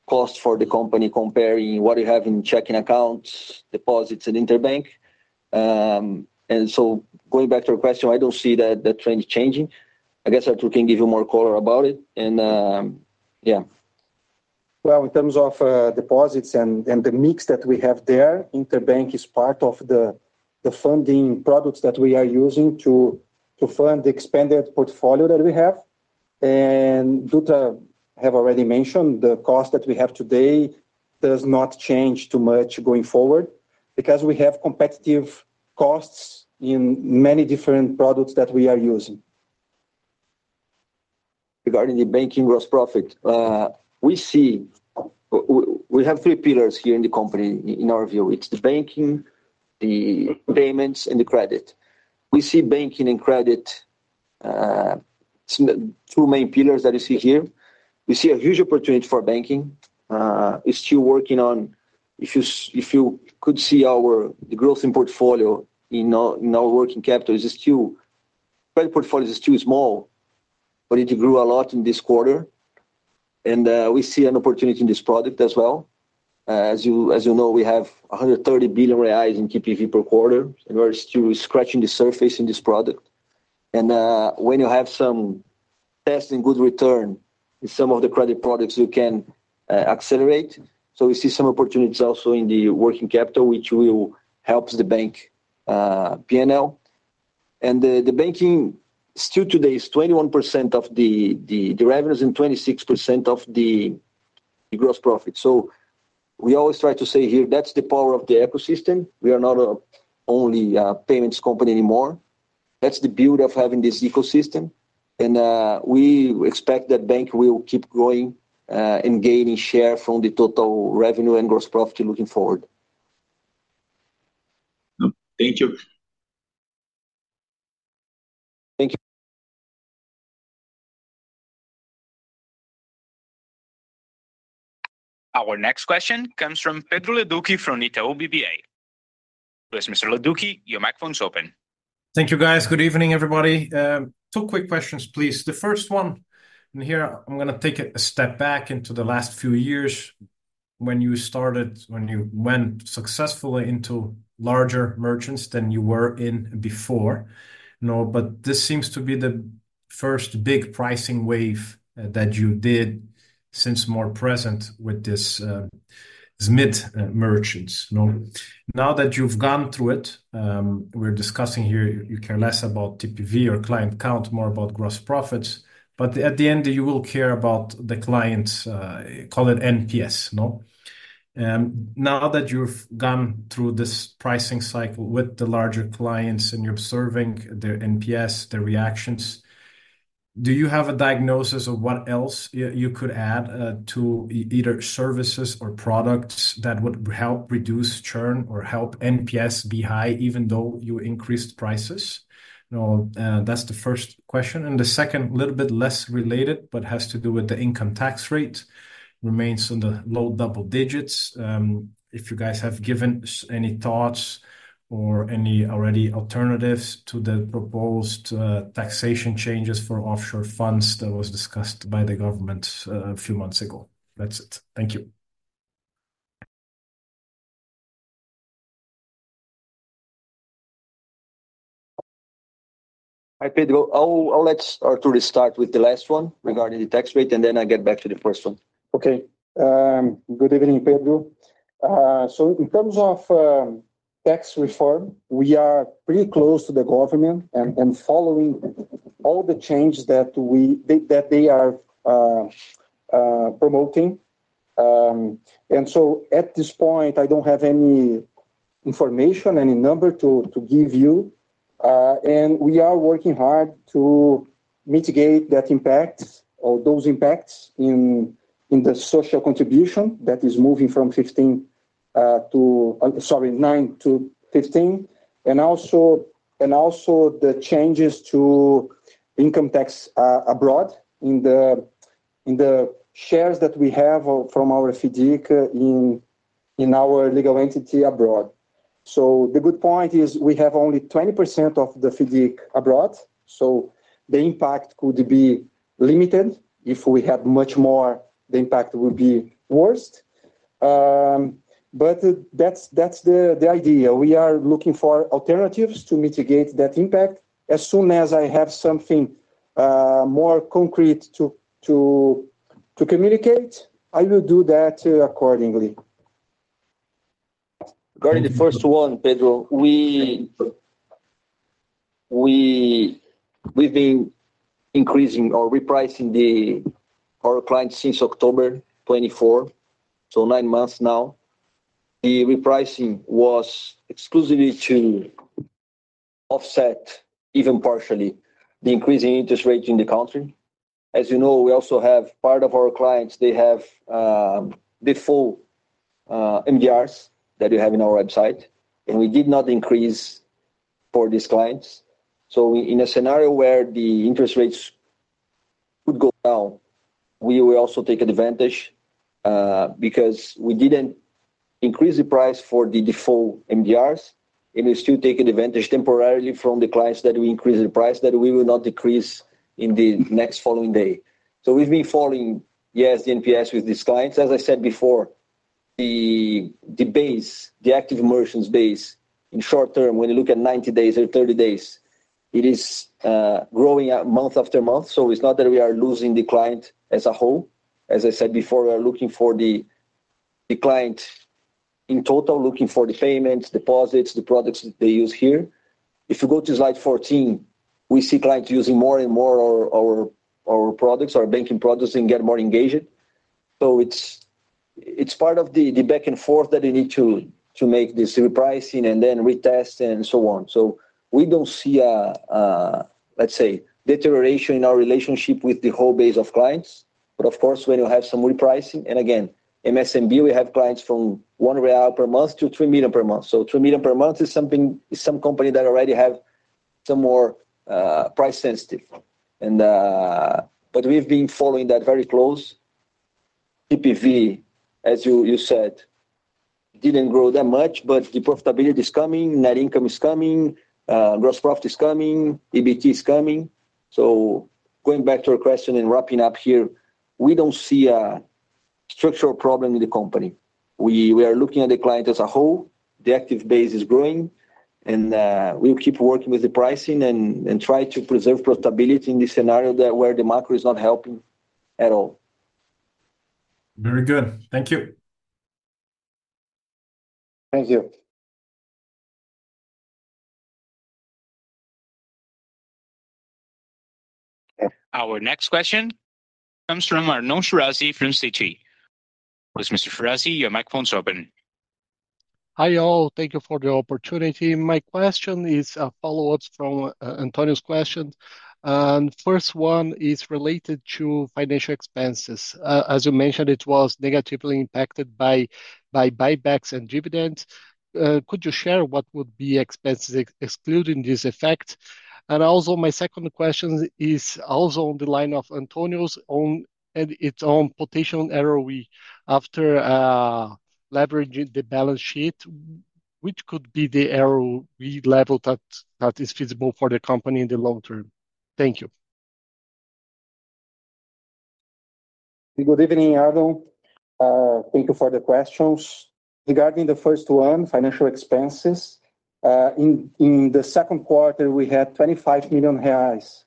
cost for the company comparing what you have in checking accounts, deposits, and interbank. And so, going back to your question, I don't see that trend changing. Artur can give you more color about it. And yeah. In terms of deposits and the mix that we have there, interbank is part of the funding products that we are using to fund the expanded portfolio that we have. And Dutra have already mentioned the cost that we have today does not change too much going forward because we have competitive costs in many different products that we are using. Regarding the banking gross profit, we see we have three pillars here in the company, in our view. It's the banking, the payments, and the credit. We see banking and credit as two main pillars that you see here. We see a huge opportunity for banking. It's still working on, if you could see our growth in portfolio in our working capital, it's still credit portfolio is still small, but it grew a lot in this quarter, and we see an opportunity in this product as well. As you know, we have 130 billion reais in TPV per quarter, and we're still scratching the surface in this product, and when you have some test and good return in some of the credit products, you can accelerate, so we see some opportunities also in the working capital, which will help the bank P&L. And the banking still today is 21% of the revenues and 26% of the gross profit. So, we always try to say here, that's the power of the ecosystem. We are not only a payments company anymore. That's the beauty of having this ecosystem. And we expect that bank will keep growing and gaining share from the total revenue and gross profit looking forward. Thank you. Thank you. Our next question comes from Pedro Leduc from Itaú BBA. Mr. Leduc, your microphone is open. Thank you, guys. Good evening, everybody. Two quick questions, please. The first one, and here I'm going to take a step back into the last few years when you started, when you went successfully into larger merchants than you were in before. But this seems to be the first big pricing wave that you did since more present with these mid-merchants. Now that you've gone through it, we're discussing here, you care less about TPV or client count, more about gross profits. But at the end, you will care about the clients, call it NPS. Now that you've gone through this pricing cycle with the larger clients and you're observing their NPS, their reactions, do you have a diagnosis of what else you could add to either services or products that would help reduce churn or help NPS be high, even though you increased prices? That's the first question. The second, a little bit less related, but has to do with the income tax rate, remains on the low double digits. If you guys have given any thoughts or any already alternatives to the proposed taxation changes for offshore funds that was discussed by the government a few months ago? That's it. Thank you. Hi, Pedro. I'll let Artur start with the last one regarding the tax rate, and then I'll get back to the first one. Okay. Good evening, Pedro. In terms of tax reform, we are pretty close to the government and following all the changes that they are promoting. At this point, I don't have any information, any number to give you. We are working hard to mitigate that impact or those impacts in the social contribution that is moving from 15 to, sorry, 9 to 15. Also the changes to income tax abroad in the shares that we have from our FIDC in our legal entity abroad. The good point is we have only 20% of the FIDC abroad. The impact could be limited. If we had much more, the impact would be worse. That's the idea. We are looking for alternatives to mitigate that impact. As soon as I have something more concrete to communicate, I will do that accordingly. Regarding the first one, Pedro, we've been increasing or repricing our clients since October 24, so nine months now. The repricing was exclusively to offset, even partially, the increasing interest rate in the country. As you know, we also have part of our clients, they have the full MDRs that you have in our website, and we did not increase for these clients. So, in a scenario where the interest rates could go down, we will also take advantage because we didn't increase the price for the default MDRs, and we still take advantage temporarily from the clients that we increase the price that we will not decrease in the next following day. So, we've been following, yes, the NPS with these clients. As I said before, the base, the active merchants base in short term, when you look at 90 days or 30 days, it is growing month after month. So, it's not that we are losing the client as a whole. As I said before, we are looking for the client in total, looking for the payments, deposits, the products they use here. If you go to Slide 14, we see clients using more and more our products, our banking products, and get more engaged. So, it's part of the back and forth that they need to make this repricing and then retest and so on. So, we don't see, let's say, deterioration in our relationship with the whole base of clients. But of course, when you have some repricing, and again, MSMB, we have clients from one real per month to three million reais per month. Three million per month is something some company that already have some more price sensitive. We've been following that very close. TPV, as you said, didn't grow that much, but the profitability is coming, net income is coming, gross profit is coming, EBT is coming. Going back to your question and wrapping up here, we don't see a structural problem in the company. We are looking at the client as a whole. The active base is growing, and we'll keep working with the pricing and try to preserve profitability in this scenario where the macro is not helping at all. Very good. Thank you. Thank you. Our next question comes from Arnon Shirazi from Citi. Mr. Shirazi, your microphone is open. Hi, all. Thank you for the opportunity. My question is a follow-up from Antonio's question. The first one is related to financial expenses. As you mentioned, it was negatively impacted by buybacks and dividends. Could you share what would be expenses excluding this effect? And also, my second question is also on the line of Antonio's own and its own potential ROE after leveraging the balance sheet, which could be the ROE level that is feasible for the company in the long term? Thank you. Good evening, Arnon. Thank you for the questions. Regarding the first one, financial expenses, in the Q2, we had 25 million reais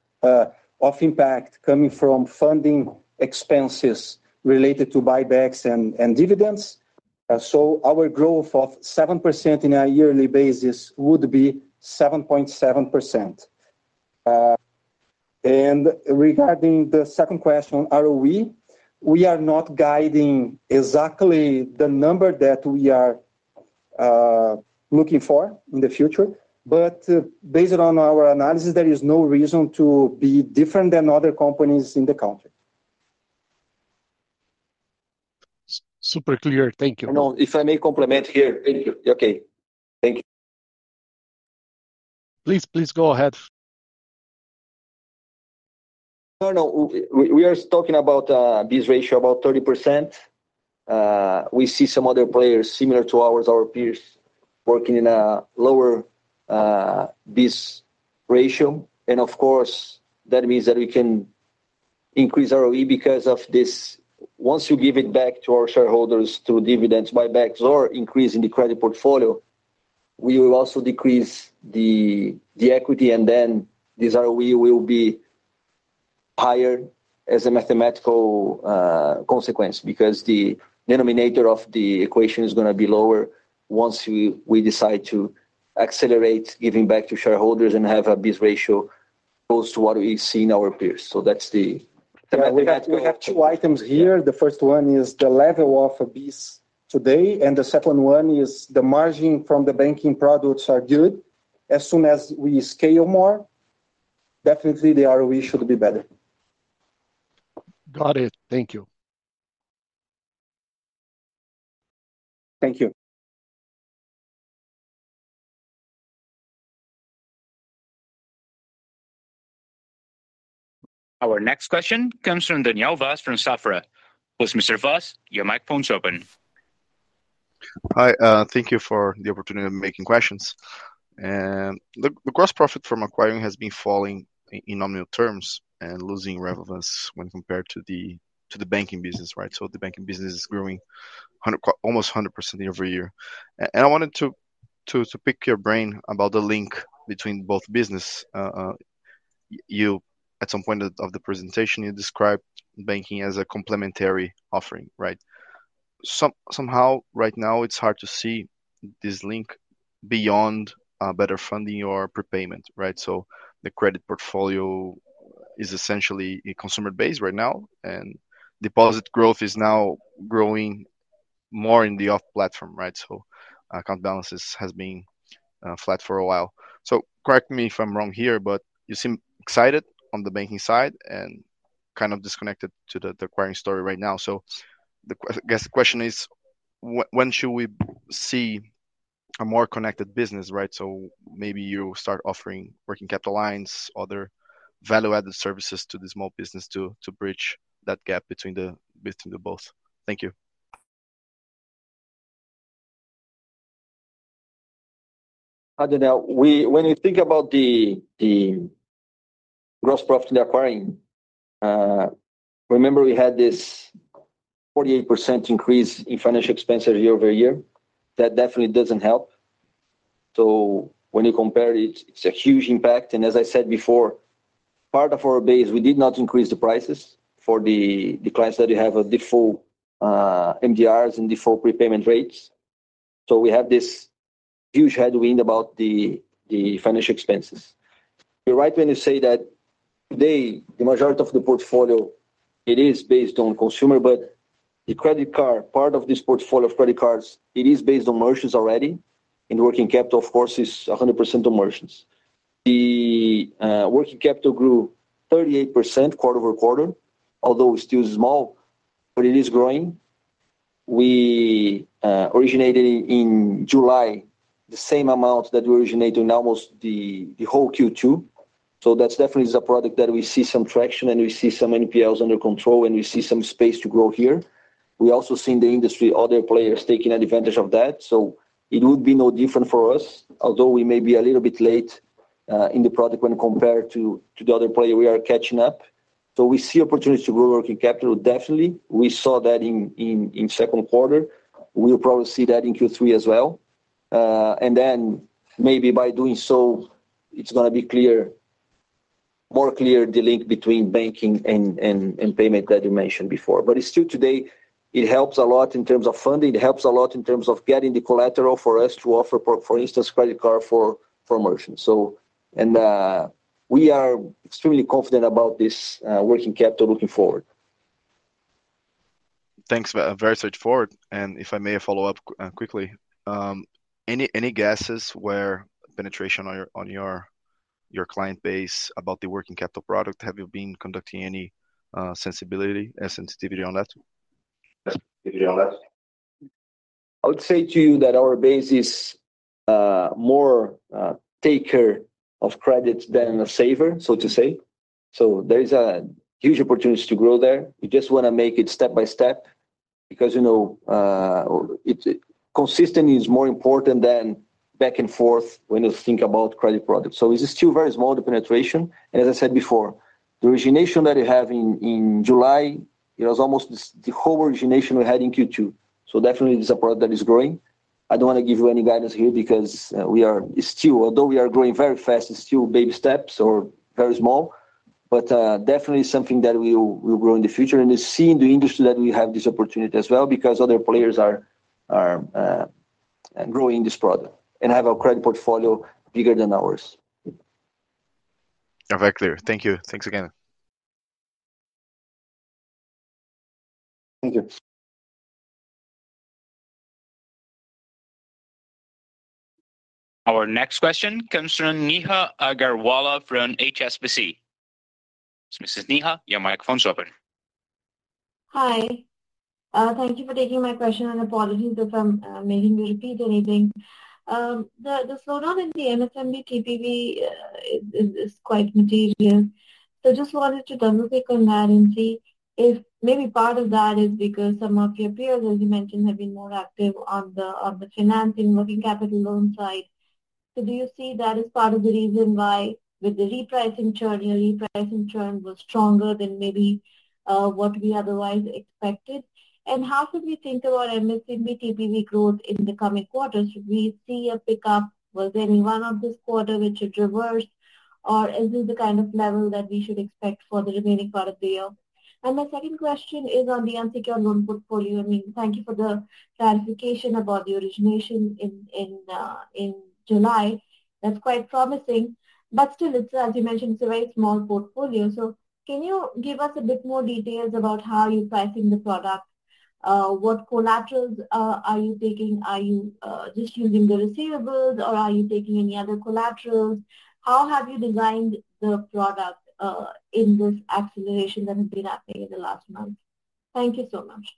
of impact coming from funding expenses related to buybacks and dividends, so our growth of 7% in a yearly basis would be 7.7%. Regarding the second question, ROE, we are not guiding exactly the number that we are looking for in the future, but based on our analysis, there is no reason to be different than other companies in the country. Super clear. Thank you. Arnold, if I may comment here. Thank you. Okay. Thank you. Please, please go ahead. Arnold, we are talking about a BIS ratio of about 30%. We see some other players similar to ours, our peers, working in a lower BIS ratio. And of course, that means that we can increase ROE because of this. Once you give it back to our shareholders through dividends, buybacks, or increasing the credit portfolio, we will also decrease the equity, and then this ROE will be higher as a mathematical consequence because the denominator of the equation is going to be lower once we decide to accelerate giving back to shareholders and have a BIS ratio close to what we see in our peers. So that's the mathematical. We have two items here. The first one is the level of BIS today, and the second one is the margin from the banking products are good. As soon as we scale more, definitely the ROE should be better. Got it. Thank you. Thank you. Our next question comes from Daniel Vaz from Safra. Mr. Vaz, your microphone is open. Hi. Thank you for the opportunity of making questions. The gross profit from acquiring has been falling in nominal terms and losing relevance when compared to the banking business, right, so the banking business is growing almost 100% every year, and I wanted to pick your brain about the link between both business. At some point of the presentation, you described banking as a complementary offering, right? Somehow, right now, it's hard to see this link beyond better funding or prepayment, right, so the credit portfolio is essentially a consumer base right now, and deposit growth is now growing more in the off-platform, right, so account balances have been flat for a while, so correct me if I'm wrong here, but you seem excited on the banking side and kind of disconnected to the acquiring story right now. So the question is, when should we see a more connected business, right? So maybe you will start offering working capital lines, other value-added services to the small business to bridge that gap between the both. Thank you. When you think about the gross profit in the acquiring, remember we had this 48% increase in financial expenses year over year. That definitely doesn't help. So when you compare it, it's a huge impact. And as I said before, part of our base, we did not increase the prices for the clients that you have default MDRs and default prepayment rates. So we have this huge headwind about the financial expenses. You're right when you say that today, the majority of the portfolio, it is based on consumer, but the credit card, part of this portfolio of credit cards, it is based on merchants already. And working capital, of course, is 100% on merchants. The working capital grew 38% quarter over quarter, although it's still small, but it is growing. We originated in July the same amount that we originated in almost the whole Q2. So that's definitely the product that we see some traction, and we see some NPLs under control, and we see some space to grow here. We also see in the industry other players taking advantage of that. So it would be no different for us, although we may be a little bit late in the product when compared to the other player. We are catching up. So we see opportunities to grow working capital, definitely. We saw that in Q2. We'll probably see that in Q3 as well. And then maybe by doing so, it's going to be more clear the link between banking and payment that you mentioned before. But still today, it helps a lot in terms of funding. It helps a lot in terms of getting the collateral for us to offer, for instance, credit card for merchants. We are extremely confident about this working capital looking forward. Thanks very much for it. And if I may follow up quickly, any guesses where penetration on your client base about the working capital product? Have you been conducting any sensitivity on that? I would say to you that our base is more taker of credit than a saver, so to say. So there is a huge opportunity to grow there. We just want to make it step by step because consistency is more important than back and forth when you think about credit products. So it's still very small, the penetration. And as I said before, the origination that you have in July, it was almost the whole origination we had in Q2. So definitely, it's a product that is growing. I don't want to give you any guidance here because we are still, although we are growing very fast, it's still baby steps or very small, but definitely something that we will grow in the future. It's seeing the industry that we have this opportunity as well because other players are growing this product and have a credit portfolio bigger than ours. Very clear. Thank you. Thanks again. Thank you. Our next question comes from Neha Agarwala from HSBC. Mrs. Neha, your microphone is open. Hi. Thank you for taking my question and apologies if I'm making you repeat anything. The slowdown in the MSMB TPV is quite material. So I just wanted to double-click on that and see if maybe part of that is because some of your peers, as you mentioned, have been more active on the financing working capital loan side. So do you see that as part of the reason why with the repricing churn, your repricing churn was stronger than maybe what we otherwise expected? And how should we think about MSMB TPV growth in the coming quarters? Should we see a pickup? Was there anything on this quarter which should reverse, or is this the kind of level that we should expect for the remaining part of the year? And my second question is on the unsecured loan portfolio. I mean, thank you for the clarification about the origination in July. That's quite promising. But still, as you mentioned, it's a very small portfolio. So can you give us a bit more details about how you're pricing the product? What collaterals are you taking? Are you just using the receivables, or are you taking any other collaterals? How have you designed the product in this acceleration that has been happening in the last month? Thank you so much.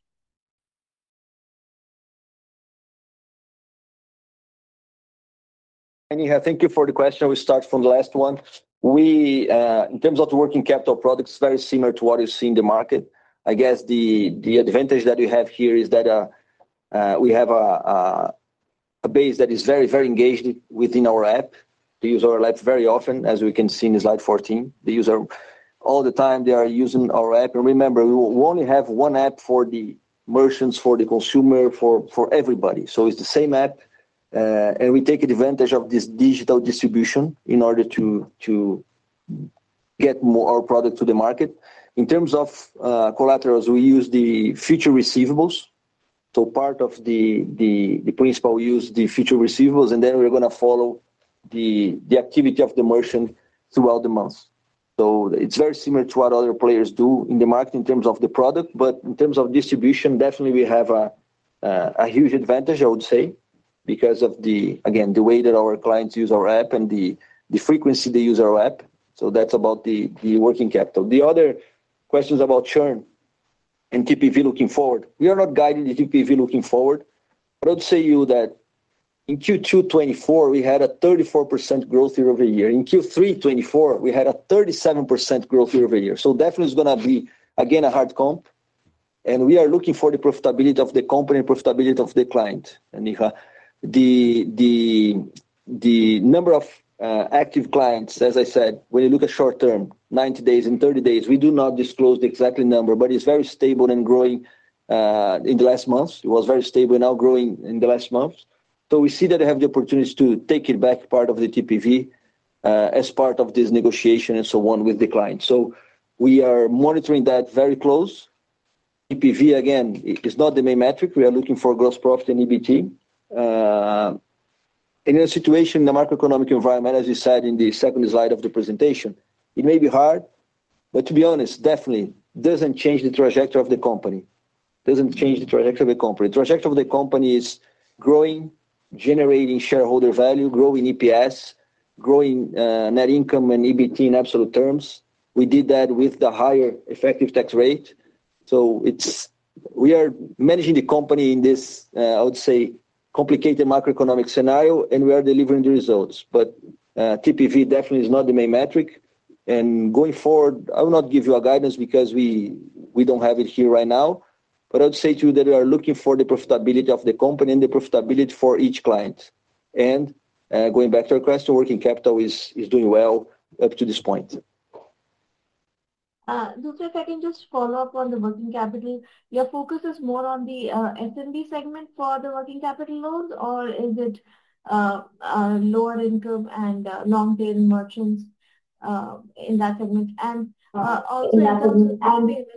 Neha, thank you for the question. We'll start from the last one. In terms of the working capital product, it's very similar to what you see in the market. The advantage that you have here is that we have a base that is very, very engaged within our app. They use our app very often, as we can see in Slide 14. They use our app all the time. They are using our app. And remember, we only have one app for the merchants, for the consumer, for everybody. So it's the same app, and we take advantage of this digital distribution in order to get our product to the market. In terms of collateral, we use the future receivables. So part of the principal, we use the future receivables, and then we're going to follow the activity of the merchant throughout the month. So it's very similar to what other players do in the market in terms of the product, but in terms of distribution, definitely we have a huge advantage, I would say, because of, again, the way that our clients use our app and the frequency they use our app. So that's about the working capital. The other questions about churn and TPV looking forward, we are not guiding the TPV looking forward, but I would say that in Q2 2024, we had a 34% growth year over a year. In Q3 2024, we had a 37% growth year over a year. So definitely, it's going to be, again, a hard comp. And we are looking for the profitability of the company and profitability of the client. And Neha, the number of active clients, as I said, when you look at short term, 90 days and 30 days, we do not disclose the exact number, but it's very stable and growing in the last months. It was very stable and now growing in the last months. So we see that they have the opportunities to take it back, part of the TPV, as part of this negotiation and so on with the client. So we are monitoring that very close. TPV, again, is not the main metric. We are looking for gross profit and EBT. In a situation, in the macroeconomic environment, as you said in the second slide of the presentation, it may be hard, but to be honest, definitely doesn't change the trajectory of the company. Doesn't change the trajectory of the company. The trajectory of the company is growing, generating shareholder value, growing EPS, growing net income and EBT in absolute terms. We did that with the higher effective tax rate, so we are managing the company in this, I would say, complicated macroeconomic scenario, and we are delivering the results, but TPV definitely is not the main metric, and going forward, I will not give you guidance because we don't have it here right now, but I would say to you that we are looking for the profitability of the company and the profitability for each client, and going back to your question, working capital is doing well up to this point. Dutra, if I can just follow up on the working capital, your focus is more on the SMB segment for the working capital loans, or is it lower income and long-term merchants in that segment? And also in terms of.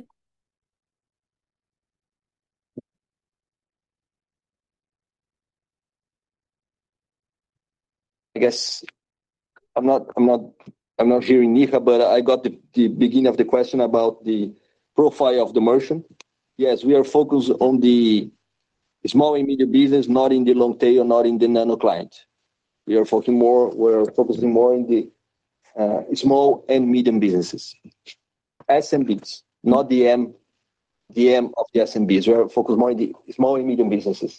I'm not hearing Neha, but I got the beginning of the question about the profile of the merchant. Yes, we are focused on the small and medium business, not in the long-tail, not in the nano client. We are focusing more in the small and medium businesses. SMBs, not the M of the SMBs. We are focused more on the small and medium businesses.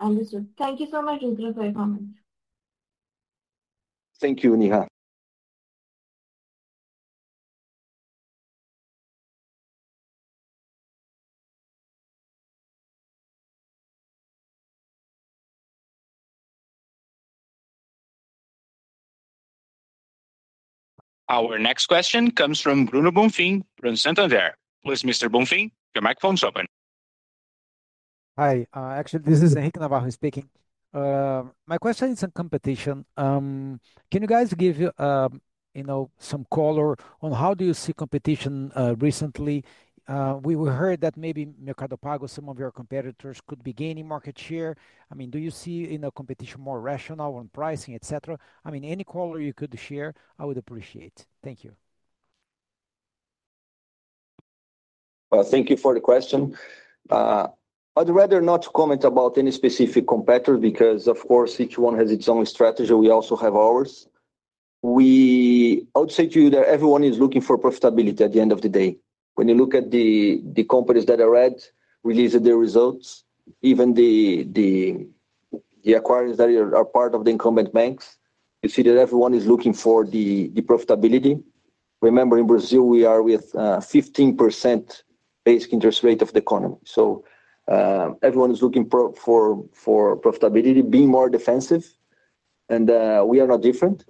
Understood. Thank you so much, Dutra, for your comment. Thank you, Neha. Our next question comes from Bruno Bonfim from Santander. Please, Mr. Bonfim, your microphone is open. Hi. Actually, this is Henrique Navarro speaking. My question is on competition. Can you guys give some color on how do you see competition recently? We heard that maybe Mercado Pago, some of your competitors could be gaining market share. I mean, do you see competition more rational on pricing, etc.? I mean, any color you could share, I would appreciate. Thank you. Thank you for the question. I'd rather not comment about any specific competitor because, of course, each one has its own strategy. We also have ours. I would say to you that everyone is looking for profitability at the end of the day. When you look at the companies that are public, releasing their results, even the acquirers that are part of the incumbent banks, you see that everyone is looking for the profitability. Remember, in Brazil, we are with a 15% basic interest rate of the economy. So everyone is looking for profitability, being more defensive, and we are not different.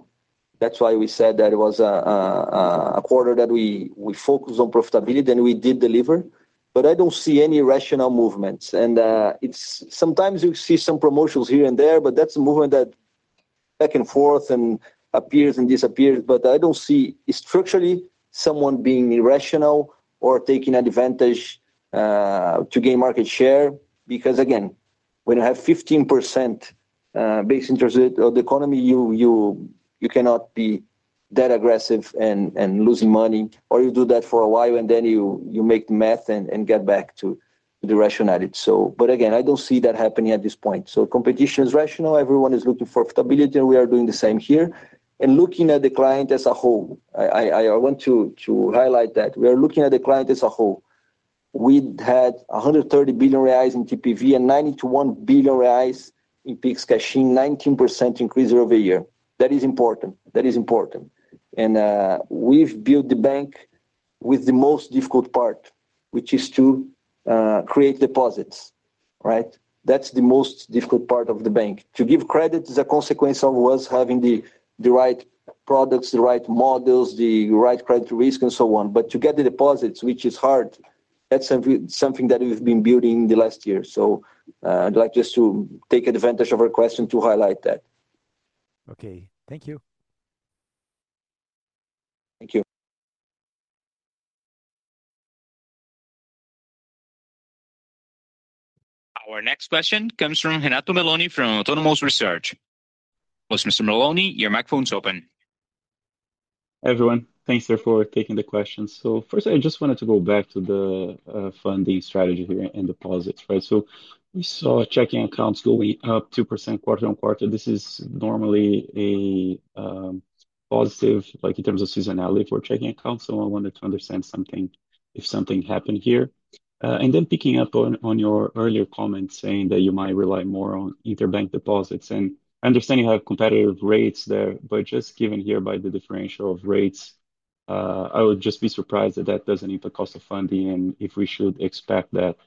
That's why we said that it was a quarter that we focused on profitability, and we did deliver, but I don't see any rational movements, and sometimes you see some promotions here and there, but that's a movement that back and forth and appears and disappears. But I don't see structurally someone being irrational or taking advantage to gain market share because, again, when you have 15% basic interest rate of the economy, you cannot be that aggressive and losing money, or you do that for a while and then you make the math and get back to the rationality. But again, I don't see that happening at this point. So competition is rational. Everyone is looking for profitability, and we are doing the same here. And looking at the client as a whole, I want to highlight that we are looking at the client as a whole. We had 130 billion reais in TPV and 91 billion reais in Pix cash-in, 19% increase year over year. That is important. That is important. And we've built the bank with the most difficult part, which is to create deposits. That's the most difficult part of the bank. To give credit is a consequence of us having the right products, the right models, the right credit risk, and so on. But to get the deposits, which is hard, that's something that we've been building in the last year. So I'd like just to take advantage of our question to highlight that. Okay. Thank you. Thank you. Our next question comes from Renato Meloni from Autonomous Research. Please, Mr. Meloni, your microphone is open. Hey, everyone. Thanks for taking the question. So first, I just wanted to go back to the funding strategy here and deposits. So we saw checking accounts going up 2% quarter on quarter. This is normally a positive in terms of seasonality for checking accounts. So I wanted to understand something if something happened here. And then picking up on your earlier comment saying that you might rely more on interbank deposits. And I understand you have competitive rates there, but just given here by the differential of rates, I would just be surprised that that doesn't impact cost of funding and if we should expect that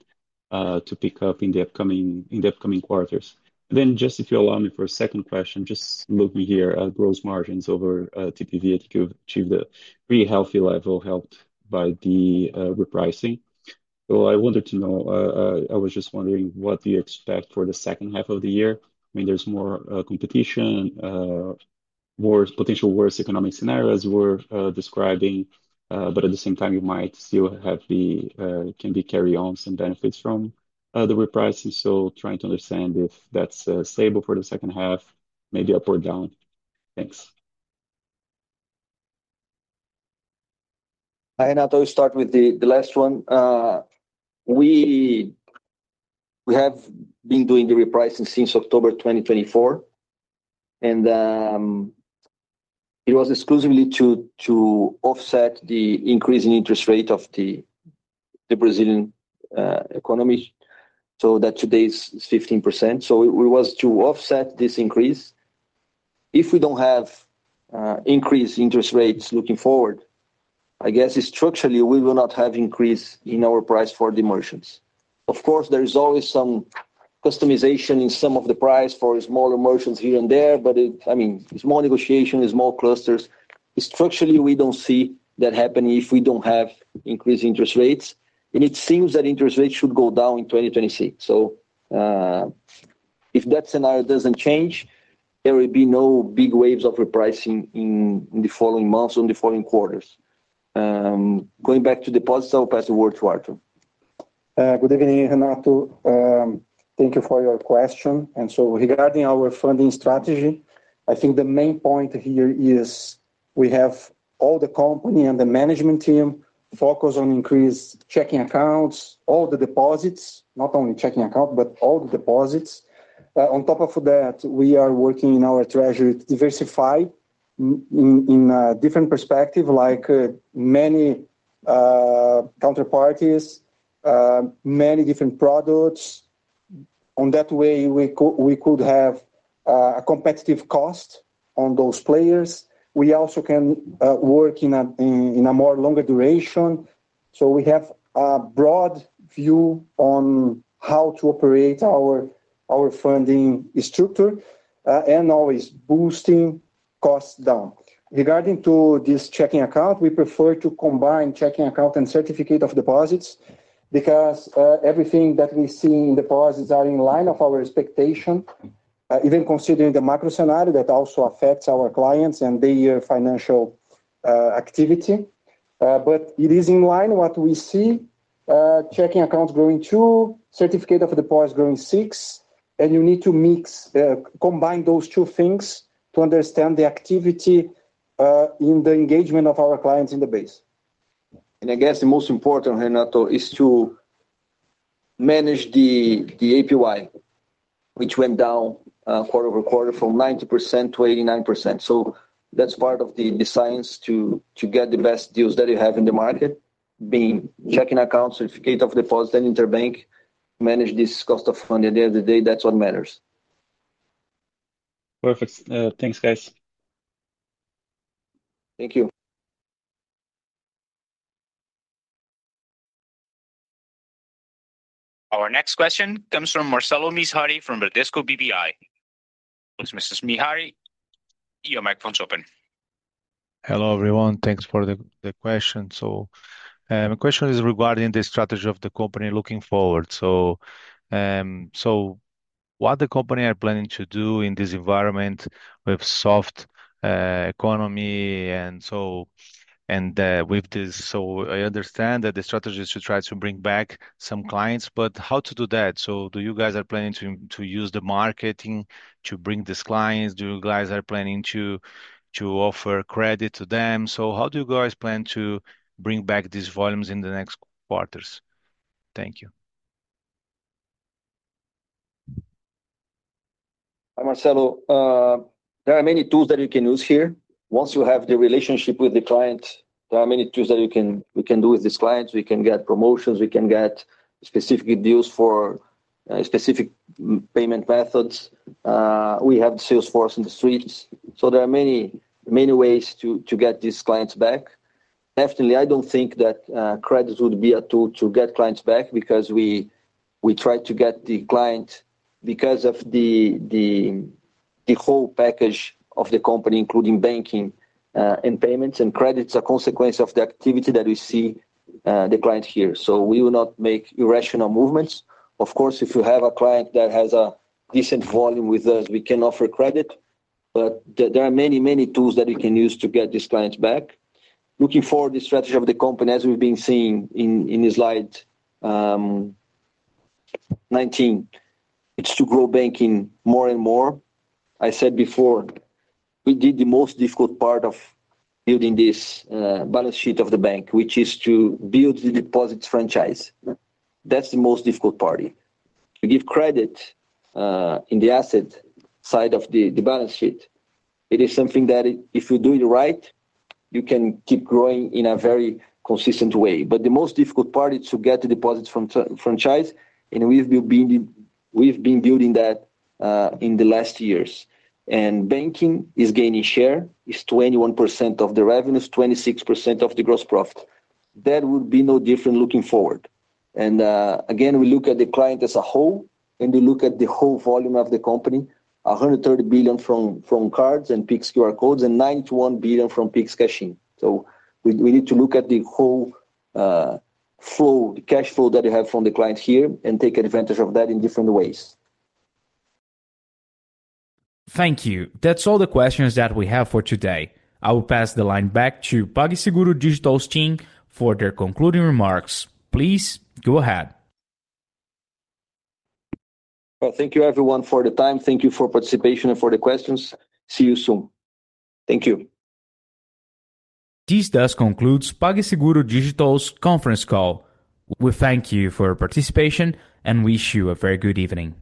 to pick up in the upcoming quarters. Then just if you allow me for a second question, just looking here at gross margins over TPV, I think you've achieved a pretty healthy level helped by the repricing. So I wanted to know, I was just wondering what do you expect for the second half of the year? I mean, there's more competition, potential worse economic scenarios you were describing, but at the same time, you might still have the can be carry-ons and benefits from the repricing. So trying to understand if that's stable for the second half, maybe up or down. Thanks. Renato, we'll start with the last one. We have been doing the repricing since October 2024, and it was exclusively to offset the increase in interest rate of the Brazilian economy. So that today is 15%. So it was to offset this increase. If we don't have increased interest rates looking forward, structurally, we will not have increase in our price for the merchants. Of course, there is always some customization in some of the price for smaller merchants here and there, but I mean, it's more negotiation, it's more clusters. Structurally, we don't see that happening if we don't have increased interest rates, and it seems that interest rates should go down in 2026, so if that scenario doesn't change, there will be no big waves of repricing in the following months or in the following quarters. Going back to deposits, I'll pass the word to Artur. Good evening, Renato. Thank you for your question. And so regarding our funding strategy, I think the main point here is we have all the company and the management team focused on increased checking accounts, all the deposits, not only checking account, but all the deposits. On top of that, we are working in our treasury to diversify in a different perspective, like many counterparties, many different products. On that way, we could have a competitive cost on those players. We also can work in a more longer duration. So we have a broad view on how to operate our funding structure and always boosting costs down. Regarding this checking account, we prefer to combine checking account and certificate of deposits because everything that we see in deposits is in line with our expectation, even considering the macro scenario that also affects our clients and their financial activity. But it is in line with what we see: checking accounts growing two, certificate of deposits growing six, and you need to combine those two things to understand the activity in the engagement of our clients in the base. And the most important, Renato, is to manage the APY, which went down quarter over quarter from 90% to 89%. So that's part of the science to get the best deals that you have in the market, being checking accounts, certificates of deposit, and interbank, manage this cost of funding at the end of the day. That's what matters. Perfect. Thanks, guys. Thank you. Our next question comes from Marcelo Mizrahi from Bradesco BBI. Please, Mr. Mizrahi, your microphone is open. Hello, everyone. Thanks for the question. So my question is regarding the strategy of the company looking forward. So what the company is planning to do in this environment with soft economy and with this? So I understand that the strategy is to try to bring back some clients, but how to do that? So do you guys are planning to use the marketing to bring these clients? Do you guys are planning to offer credit to them? So how do you guys plan to bring back these volumes in the next quarters? Thank you. Hi, Marcelo. There are many tools that you can use here. Once you have the relationship with the client, there are many tools that we can do with these clients. We can get promotions. We can get specific deals for specific payment methods. We have the sales force in the streets, so there are many ways to get these clients back. Definitely, I don't think that credits would be a tool to get clients back because we try to get the client because of the whole package of the company, including banking and payments, and credits are a consequence of the activity that we see the client here, so we will not make irrational movements. Of course, if you have a client that has a decent volume with us, we can offer credit, but there are many, many tools that we can use to get these clients back. Looking forward, the strategy of the company, as we've been seeing in Slide 19, is to grow banking more and more. I said before we did the most difficult part of building this balance sheet of the bank, which is to build the deposits franchise. That's the most difficult part. To give credit in the asset side of the balance sheet, it is something that if you do it right, you can keep growing in a very consistent way. But the most difficult part is to get the deposits from franchise, and we've been building that in the last years, and banking is gaining share. It's 21% of the revenues, 26% of the gross profit. That would be no different looking forward. And again, we look at the client as a whole, and we look at the whole volume of the company, 130 billion from cards and Pix QR codes and 91 billion from Pix cash-in. So we need to look at the whole flow, the cash flow that you have from the client here and take advantage of that in different ways. Thank you. That's all the questions that we have for today. I will pass the line back to PagSeguro Digital's team for their concluding remarks. Please go ahead. Thank you, everyone, for the time. Thank you for participating and for the questions. See you soon. Thank you. This does conclude PagSeguro Digital's conference call. We thank you for your participation and wish you a very good evening.